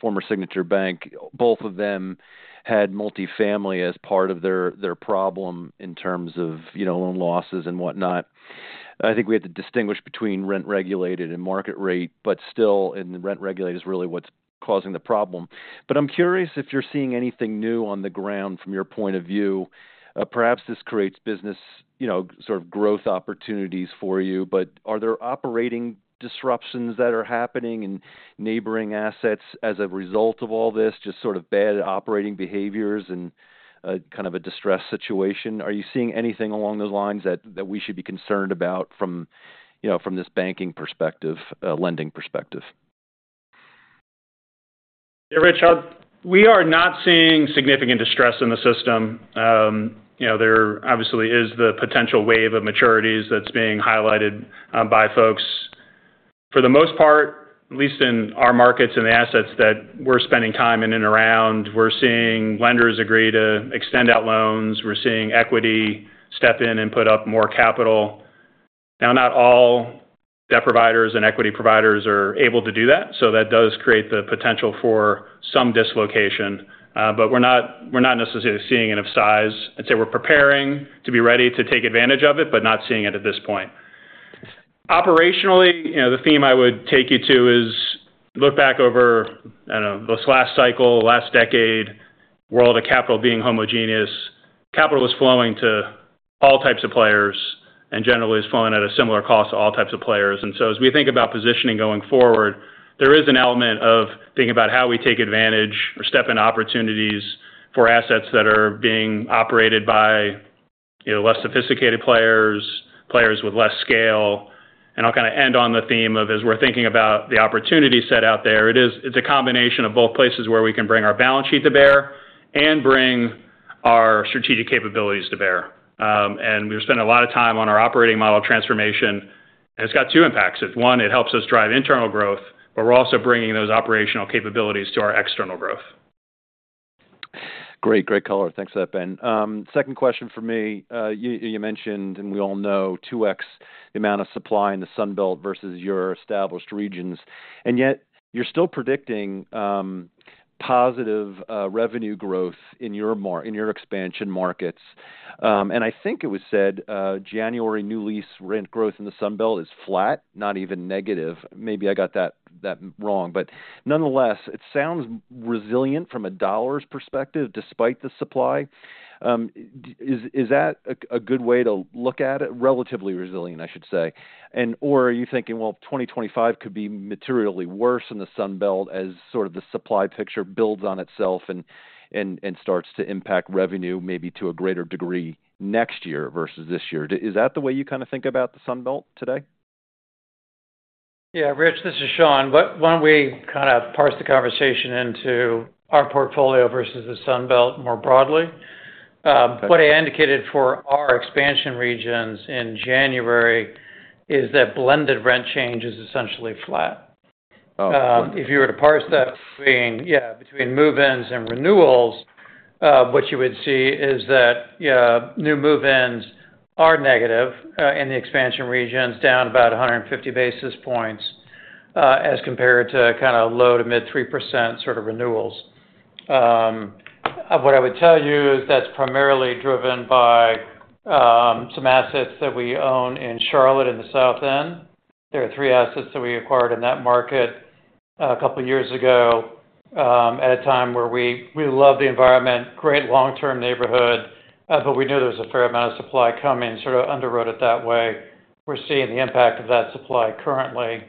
former Signature Bank. Both of them had multifamily as part of their, their problem in terms of loan losses and whatnot. I think we have to distinguish between rent-regulated and market rate, but still, in the rent-regulated is really what's causing the problem. But I'm curious if you're seeing anything new on the ground from your point of view. Perhaps this creates business growth opportunities for you, but are there operating disruptions that are happening in neighboring assets as a result of all this, just sort of bad operating behaviors and, kind of a distressed situation? Are you seeing anything along those lines that we should be concerned about from this banking perspective, lending perspective? Hey, Richard, we are not seeing significant distress in the system. There obviously is the potential wave of maturities that's being highlighted by folks. For the most part, at least in our markets and the assets that we're spending time in and around, we're seeing lenders agree to extend out loans. We're seeing equity step in and put up more capital. Now, not all debt providers and equity providers are able to do that, so that does create the potential for some dislocation, but we're not, we're not necessarily seeing it of size. I'd say we're preparing to be ready to take advantage of it, but not seeing it at this point. Operationally, the theme I would take you to is look back over, I don't know, this last cycle, last decade, world of capital being homogeneous. Capital was flowing to all types of players and generally is flowing at a similar cost to all types of players. And so as we think about positioning going forward, there is an element of thinking about how we take advantage or step in opportunities for assets that are being operated by, you know, less sophisticated players, players with less scale. And I'll kind of end on the theme of, as we're thinking about the opportunity set out there, it is, it's a combination of both places where we can bring our balance sheet to bear and bring our strategic capabilities to bear. And we've spent a lot of time on our operating model transformation, and it's got two impacts. It's one, it helps us drive internal growth, but we're also bringing those operational capabilities to our external growth. Great color. Thanks for that, Ben. Second question for me. You, you mentioned, and we all know, 2x the amount of supply in the Sun Belt versus your established regions, and yet you're still predicting positive revenue growth in your mar-- in your expansion markets. And I think it was said, January new lease rent growth in the Sun Belt is flat, not even negative. Maybe I got that, that wrong, but nonetheless, it sounds resilient from a dollars perspective, despite the supply. Is, is that a, a good way to look at it? Relatively resilient, I should say. And, or are you thinking, well, 2025 could be materially worse in the Sun Belt as sort of the supply picture builds on itself and, and, and starts to impact revenue maybe to a greater degree next year versus this year? Is that the way you kind of think about the Sun Belt today? Yeah, Rich, this is Sean. Why don't we kind of parse the conversation into our portfolio versus the Sun Belt more broadly? What I indicated for our expansion regions in January is that blended rent change is essentially flat. If you were to parse that between move-ins and renewals, what you would see is that new move-ins are negative in the expansion regions, down about 150 basis points, as compared to kind of low to mid-3% sort of renewals. What I would tell you is that's primarily driven by some assets that we own in Charlotte, in the South End. There are three assets that we acquired in that market a couple of years ago, at a time where we loved the environment, great long-term neighborhood, but we knew there was a fair amount of supply coming, sort of underwrote it that way. We're seeing the impact of that supply currently,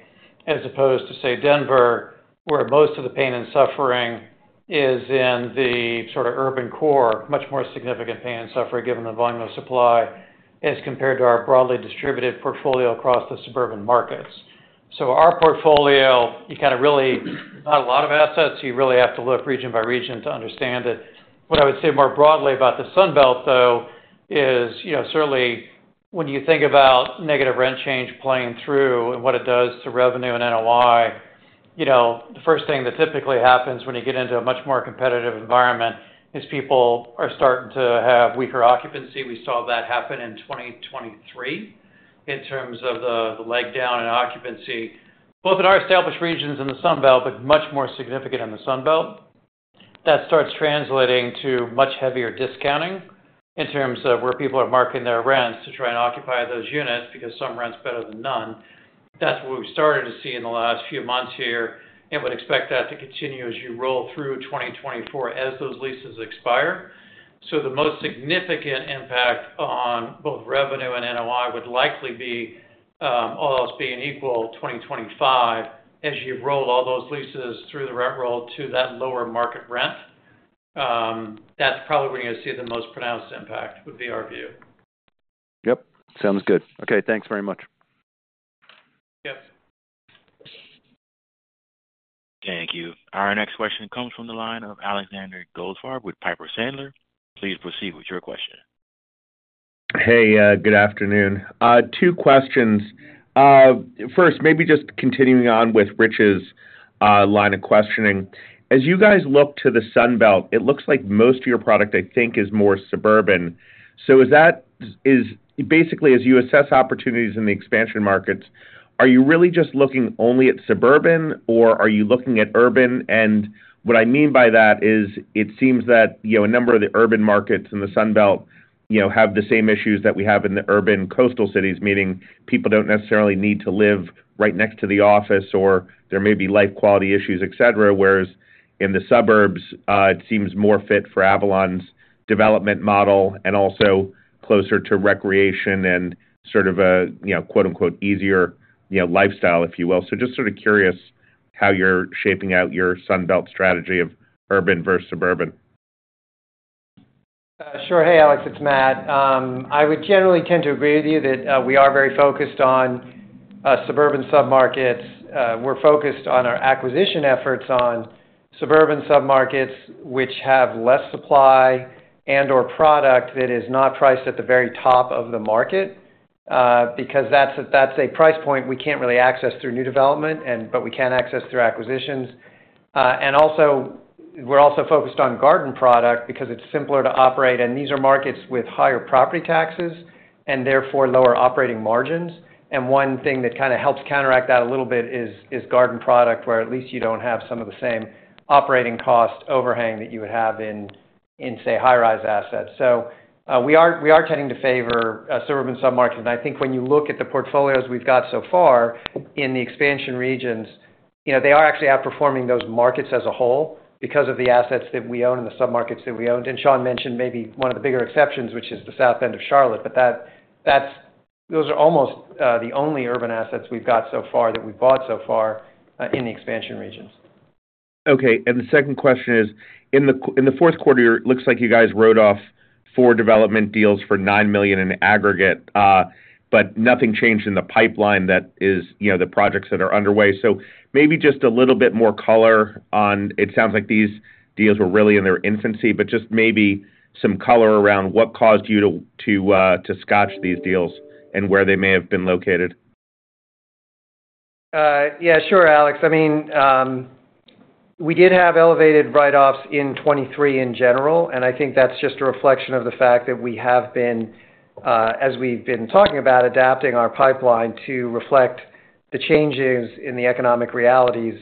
as opposed to, say, Denver, where most of the pain and suffering is in the sort of urban core, much more significant pain and suffering, given the volume of supply, as compared to our broadly distributed portfolio across the suburban markets. So our portfolio, you kind of really, not a lot of assets, you really have to look region by region to understand it. What I would say more broadly about the Sun Belt, though, is, you know, certainly when you think about negative rent change playing through and what it does to revenue and NOI, you know, the first thing that typically happens when you get into a much more competitive environment is people are starting to have weaker occupancy. We saw that happen in 2023 in terms of the leg down in occupancy, both in our established regions in the Sun Belt, but much more significant in the Sun Belt. That starts translating to much heavier discounting in terms of where people are marking their rents to try and occupy those units, because some rent's better than none. That's what we've started to see in the last few months here, and would expect that to continue as you roll through 2024 as those leases expire. So the most significant impact on both revenue and NOI would likely be, all else being equal, 2025, as you roll all those leases through the rent roll to that lower market rent. That's probably where you're going to see the most pronounced impact, would be our view. Yep, sounds good. Okay, thanks very much. Thank you. Our next question comes from the line of Alexander Goldfarb with Piper Sandler. Please proceed with your question. Hey, good afternoon. Two questions. First, maybe just continuing on with Rich's line of questioning. As you guys look to the Sun Belt, it looks like most of your product, I think, is more suburban. So is that-- is basically, as you assess opportunities in the expansion markets, are you really just looking only at suburban, or are you looking at urban? And what I mean by that is, it seems that, you know, a number of the urban markets in the Sun Belt, you know, have the same issues that we have in the urban coastal cities, meaning people don't necessarily need to live right next to the office, or there may be life quality issues, et cetera. Whereas in the suburbs, it seems more fit for Avalon's development model and also closer to recreation and sort of a, you know, quote-unquote, easier, you know, lifestyle, if you will. So just sort of curious how you're shaping out your Sun Belt strategy of urban versus suburban. Sure. Hey, Alex, it's Matt. I would generally tend to agree with you that we are very focused on suburban submarkets. We're focused on our acquisition efforts on suburban submarkets, which have less supply and/or product that is not priced at the very top of the market, because that's a price point we can't really access through new development and but we can access through acquisitions. And also, we're also focused on garden product because it's simpler to operate, and these are markets with higher property taxes and therefore lower operating margins. And one thing that kind of helps counteract that a little bit is garden product, where at least you don't have some of the same operating cost overhang that you would have in say, high-rise assets. So, we are, we are tending to favor suburban submarkets. And I think when you look at the portfolios we've got so far in the expansion regions, you know, they are actually outperforming those markets as a whole because of the assets that we own and the submarkets that we owned. And Sean mentioned maybe one of the bigger exceptions, which is the South End of Charlotte, but that, that's- those are almost the only urban assets we've got so far, that we've bought so far in the expansion regions. Okay, and the second question is: in the fourth quarter, it looks like you guys wrote off four development deals for $9 million in aggregate, but nothing changed in the pipeline that is, you know, the projects that are underway. So maybe just a little bit more color on... It sounds like these deals were really in their infancy, but just maybe some color around what caused you to to scotch these deals and where they may have been located. Yeah, sure, Alex. I mean, we did have elevated write-offs in 2023 in general, and I think that's just a reflection of the fact that we have been, as we've been talking about, adapting our pipeline to reflect the changes in the economic realities,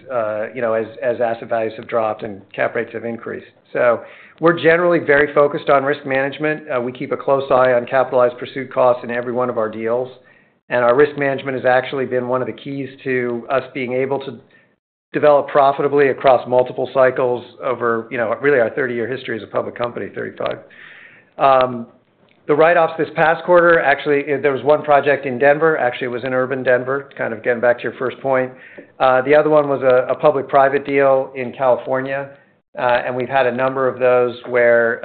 you know, as asset values have dropped and cap rates have increased. So we're generally very focused on risk management. We keep a close eye on capitalized pursuit costs in every one of our deals, and our risk management has actually been one of the keys to us being able to develop profitably across multiple cycles over, you know, really our 30-year history as a public company, 35. The write-offs this past quarter, actually, there was one project in Denver. Actually, it was in urban Denver, kind of getting back to your first point. The other one was a public-private deal in California, and we've had a number of those where,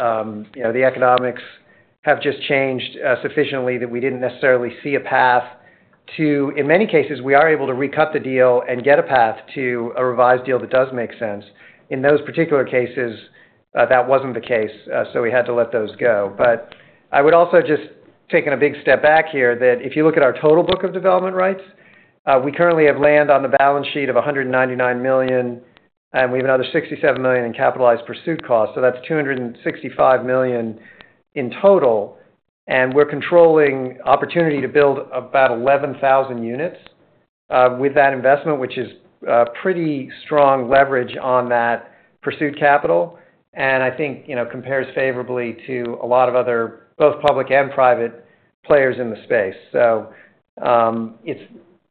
you know, the economics have just changed sufficiently that we didn't necessarily see a path to. In many cases, we are able to recut the deal and get a path to a revised deal that does make sense. In those particular cases, that wasn't the case, so we had to let those go. But I would also just taking a big step back here, that if you look at our total book of development rights, we currently have land on the balance sheet of $199 million, and we have another $67 million in capitalized pursuit costs. So that's $265 million in total, and we're controlling opportunity to build about 11,000 units with that investment, which is pretty strong leverage on that pursuit capital. And I think, you know, compares favorably to a lot of other, both public and private players in the space. So,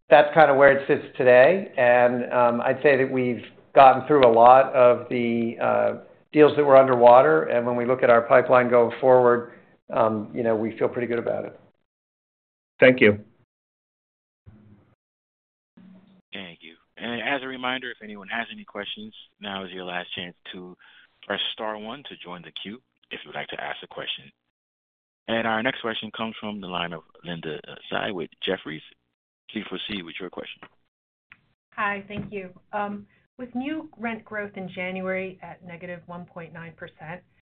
that's kind of where it sits today. And, I'd say that we've gotten through a lot of the deals that were underwater, and when we look at our pipeline going forward, you know, we feel pretty good about it. Thank you. Thank you. And as a reminder, if anyone has any questions, now is your last chance to press star one to join the queue if you'd like to ask a question. And our next question comes from the line of Linda Tsai with Jefferies. Please proceed with your question. Hi, thank you. With new rent growth in January at negative 1.9%,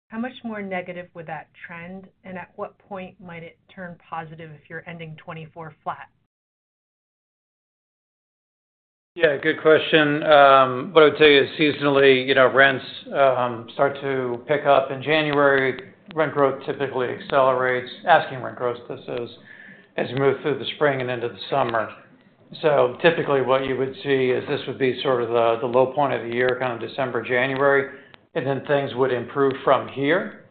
how much more negative would that trend, and at what point might it turn positive if you're ending 2024 flat? Good question. What I would tell you is seasonally rents start to pick up in January. Rent growth typically accelerates, asking rent growth, as you move through the spring and into the summer. So typically, what you would see is this would be sort of the low point of the year, kind of December, January, and then things would improve from here.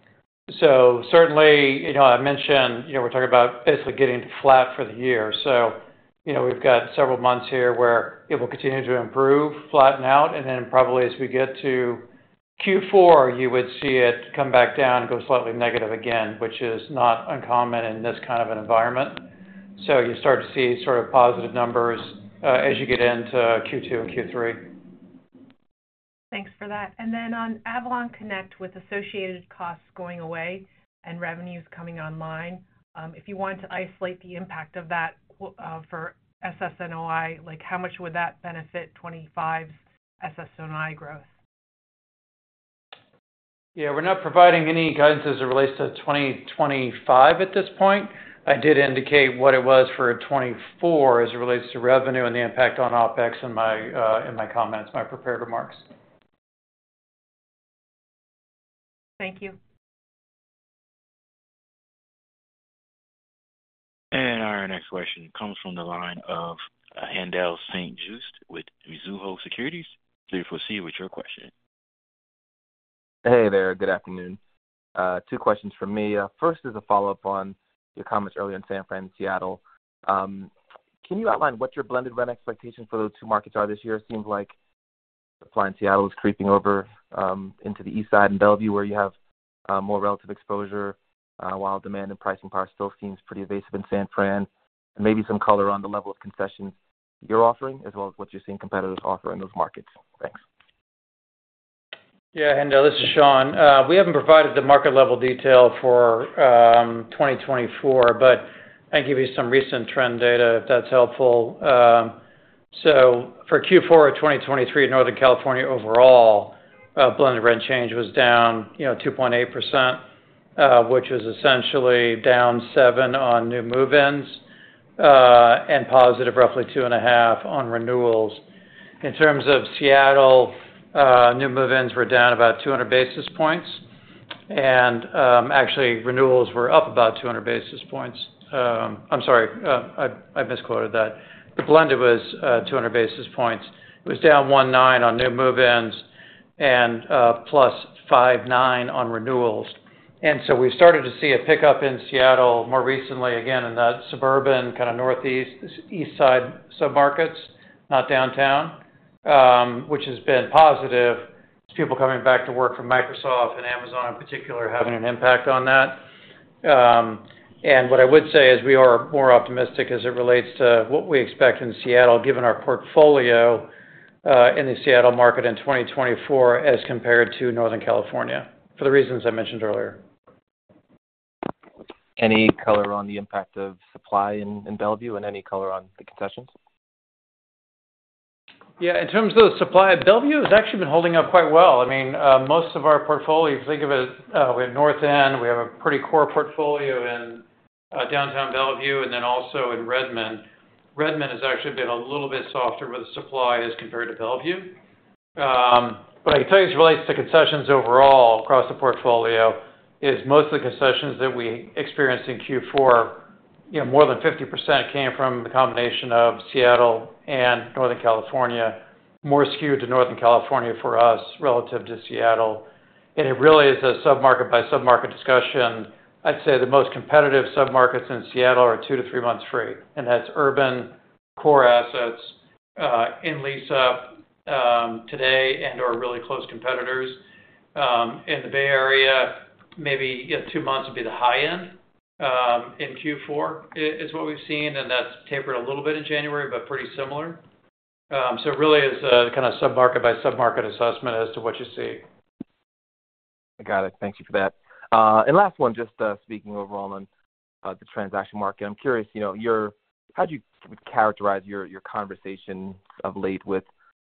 So certainly I mentioned we're talking about basically getting flat for the year. So we've got several months here where it will continue to improve, flatten out, and then probably as we get to Q4, you would see it come back down and go slightly negative again, which is not uncommon in this kind of an environment. So you start to see sort of positive numbers as you get into Q2 and Q3. Thanks for that. On AvalonConnect, with associated costs going away and revenues coming online, if you want to isolate the impact of that, for SSNOI, like, how much would that benefit 25's SSNOI growth? Yeah, we're not providing any guidance as it relates to 2025 at this point. I did indicate what it was for 2024 as it relates to revenue and the impact on OpEx in my, in my comments, my prepared remarks. Thank you. Our next question comes from the line of Haendel St. Juste with Mizuho Securities. Please proceed with your question. Hey there. Good afternoon. Two questions from me. First is a follow-up on your comments earlier on San Fran and Seattle. Can you outline what your blended rent expectations for those two markets are this year? It seems like supply in Seattle is creeping over into the Eastside and Bellevue, where you have more relative exposure, while demand and pricing power still seems pretty evasive in San Fran. And maybe some color on the level of concessions you're offering, as well as what you're seeing competitors offer in those markets. Thanks. Yeah, Haendel, this is Sean. We haven't provided the market-level detail for 2024, but I can give you some recent trend data, if that's helpful. So for Q4 of 2023, Northern California overall, blended rent change was down, you know, 2.8%, which is essentially down seven on new move-ins, and positive, roughly 2.5 on renewals. In terms of Seattle, new move-ins were down about 200 basis points, and actually, renewals were up about 200 basis points. I'm sorry, I misquoted that. The blended was 200 basis points. It was down 1.9 on new move-ins and +5.9 on renewals. And so we started to see a pickup in Seattle more recently, again, in that suburban, kind of northeast, Eastside submarkets, not downtown, which has been positive. There's people coming back to work from Microsoft and Amazon in particular, having an impact on that. And what I would say is we are more optimistic as it relates to what we expect in Seattle, given our portfolio, in the Seattle market in 2024 as compared to Northern California, for the reasons I mentioned earlier. Any color on the impact of supply in Bellevue and any color on the concessions? Yeah, in terms of the supply, Bellevue has actually been holding up quite well. I mean, most of our portfolio, if you think of it, we have North End, we have a pretty core portfolio in downtown Bellevue and then also in Redmond. Redmond has actually been a little bit softer with the supply as compared to Bellevue. But I can tell you, as it relates to concessions overall across the portfolio, most of the concessions that we experienced in Q4, you know, more than 50% came from the combination of Seattle and Northern California, more skewed to Northern California for us, relative to Seattle. And it really is a submarket by submarket discussion. I'd say the most competitive submarkets in Seattle are 2-3 months free, and that's urban core assets in lease up today and/or really close competitors. In the Bay Area, maybe, yeah, two months would be the high end in Q4, is what we've seen, and that's tapered a little bit in January, but pretty similar so it really is a kind of sub-market by sub-market assessment as to what you see. I got it. Thank you for that. And last one, just, speaking overall on the transaction market, I'm curious, you know, your-- how do you characterize your, your conversation of late with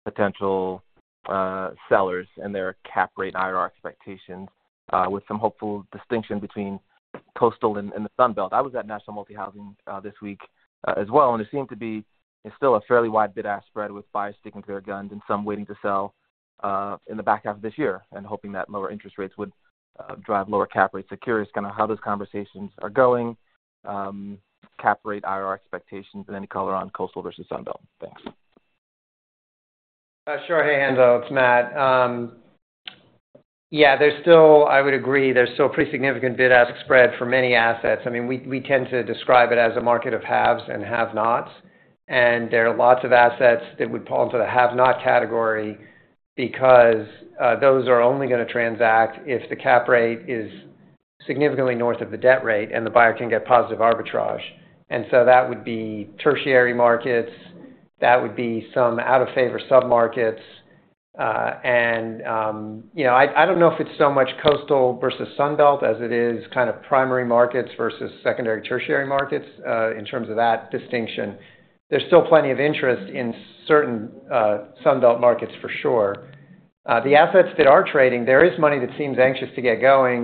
potential sellers and their cap rate IRR expectations, with some hopeful distinction between coastal and the Sun Belt? I was at National Multi-Housing this week as well, and it seemed to be it's still a fairly wide bid-ask spread, with buyers sticking to their guns and some waiting to sell in the back half of this year and hoping that lower interest rates would drive lower cap rates. So curious kind of how those conversations are going, cap rate, IRR expectations, and any color on Coastal versus Sun Belt. Thanks. Sure. Hey, Haendel, it's Matt. Yeah, there's still, I would agree, there's still a pretty significant bid-ask spread for many assets. I mean, we tend to describe it as a market of haves and have-nots, and there are lots of assets that would fall into the have-not category because those are only gonna transact if the cap rate is significantly north of the debt rate and the buyer can get positive arbitrage. And so that would be tertiary markets, that would be some out-of-favor submarkets. And you know, I don't know if it's so much Coastal versus Sun Belt as it is kind of primary markets versus secondary, tertiary markets in terms of that distinction. There's still plenty of interest in certain Sun Belt markets for sure. The assets that are trading, there is money that seems anxious to get going.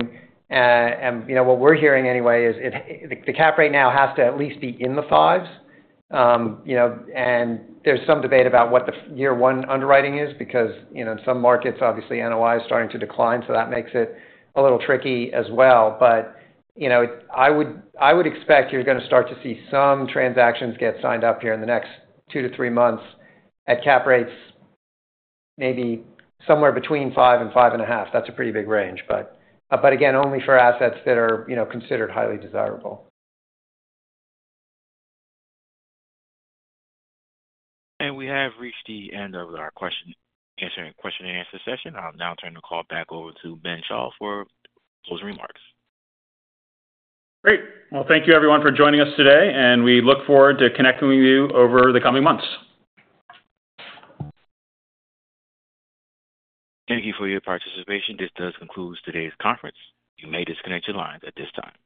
You know, what we're hearing anyway is, the cap rate now has to at least be in the 5s. You know, and there's some debate about what the year one underwriting is because, you know, in some markets, obviously, NOI is starting to decline, so that makes it a little tricky as well. You know, I would, I would expect you're gonna start to see some transactions get signed up here in the next 2-3 months at cap rates, maybe somewhere between 5 and 5.5. That's a pretty big range, but, but again, only for assets that are, you know, considered highly desirable. We have reached the end of our question-and-answer session. I'll now turn the call back over to Ben Schall for closing remarks. Great. Well, thank you everyone for joining us today, and we look forward to connecting with you over the coming months. Thank you for your participation. This does conclude today's conference. You may disconnect your lines at this time.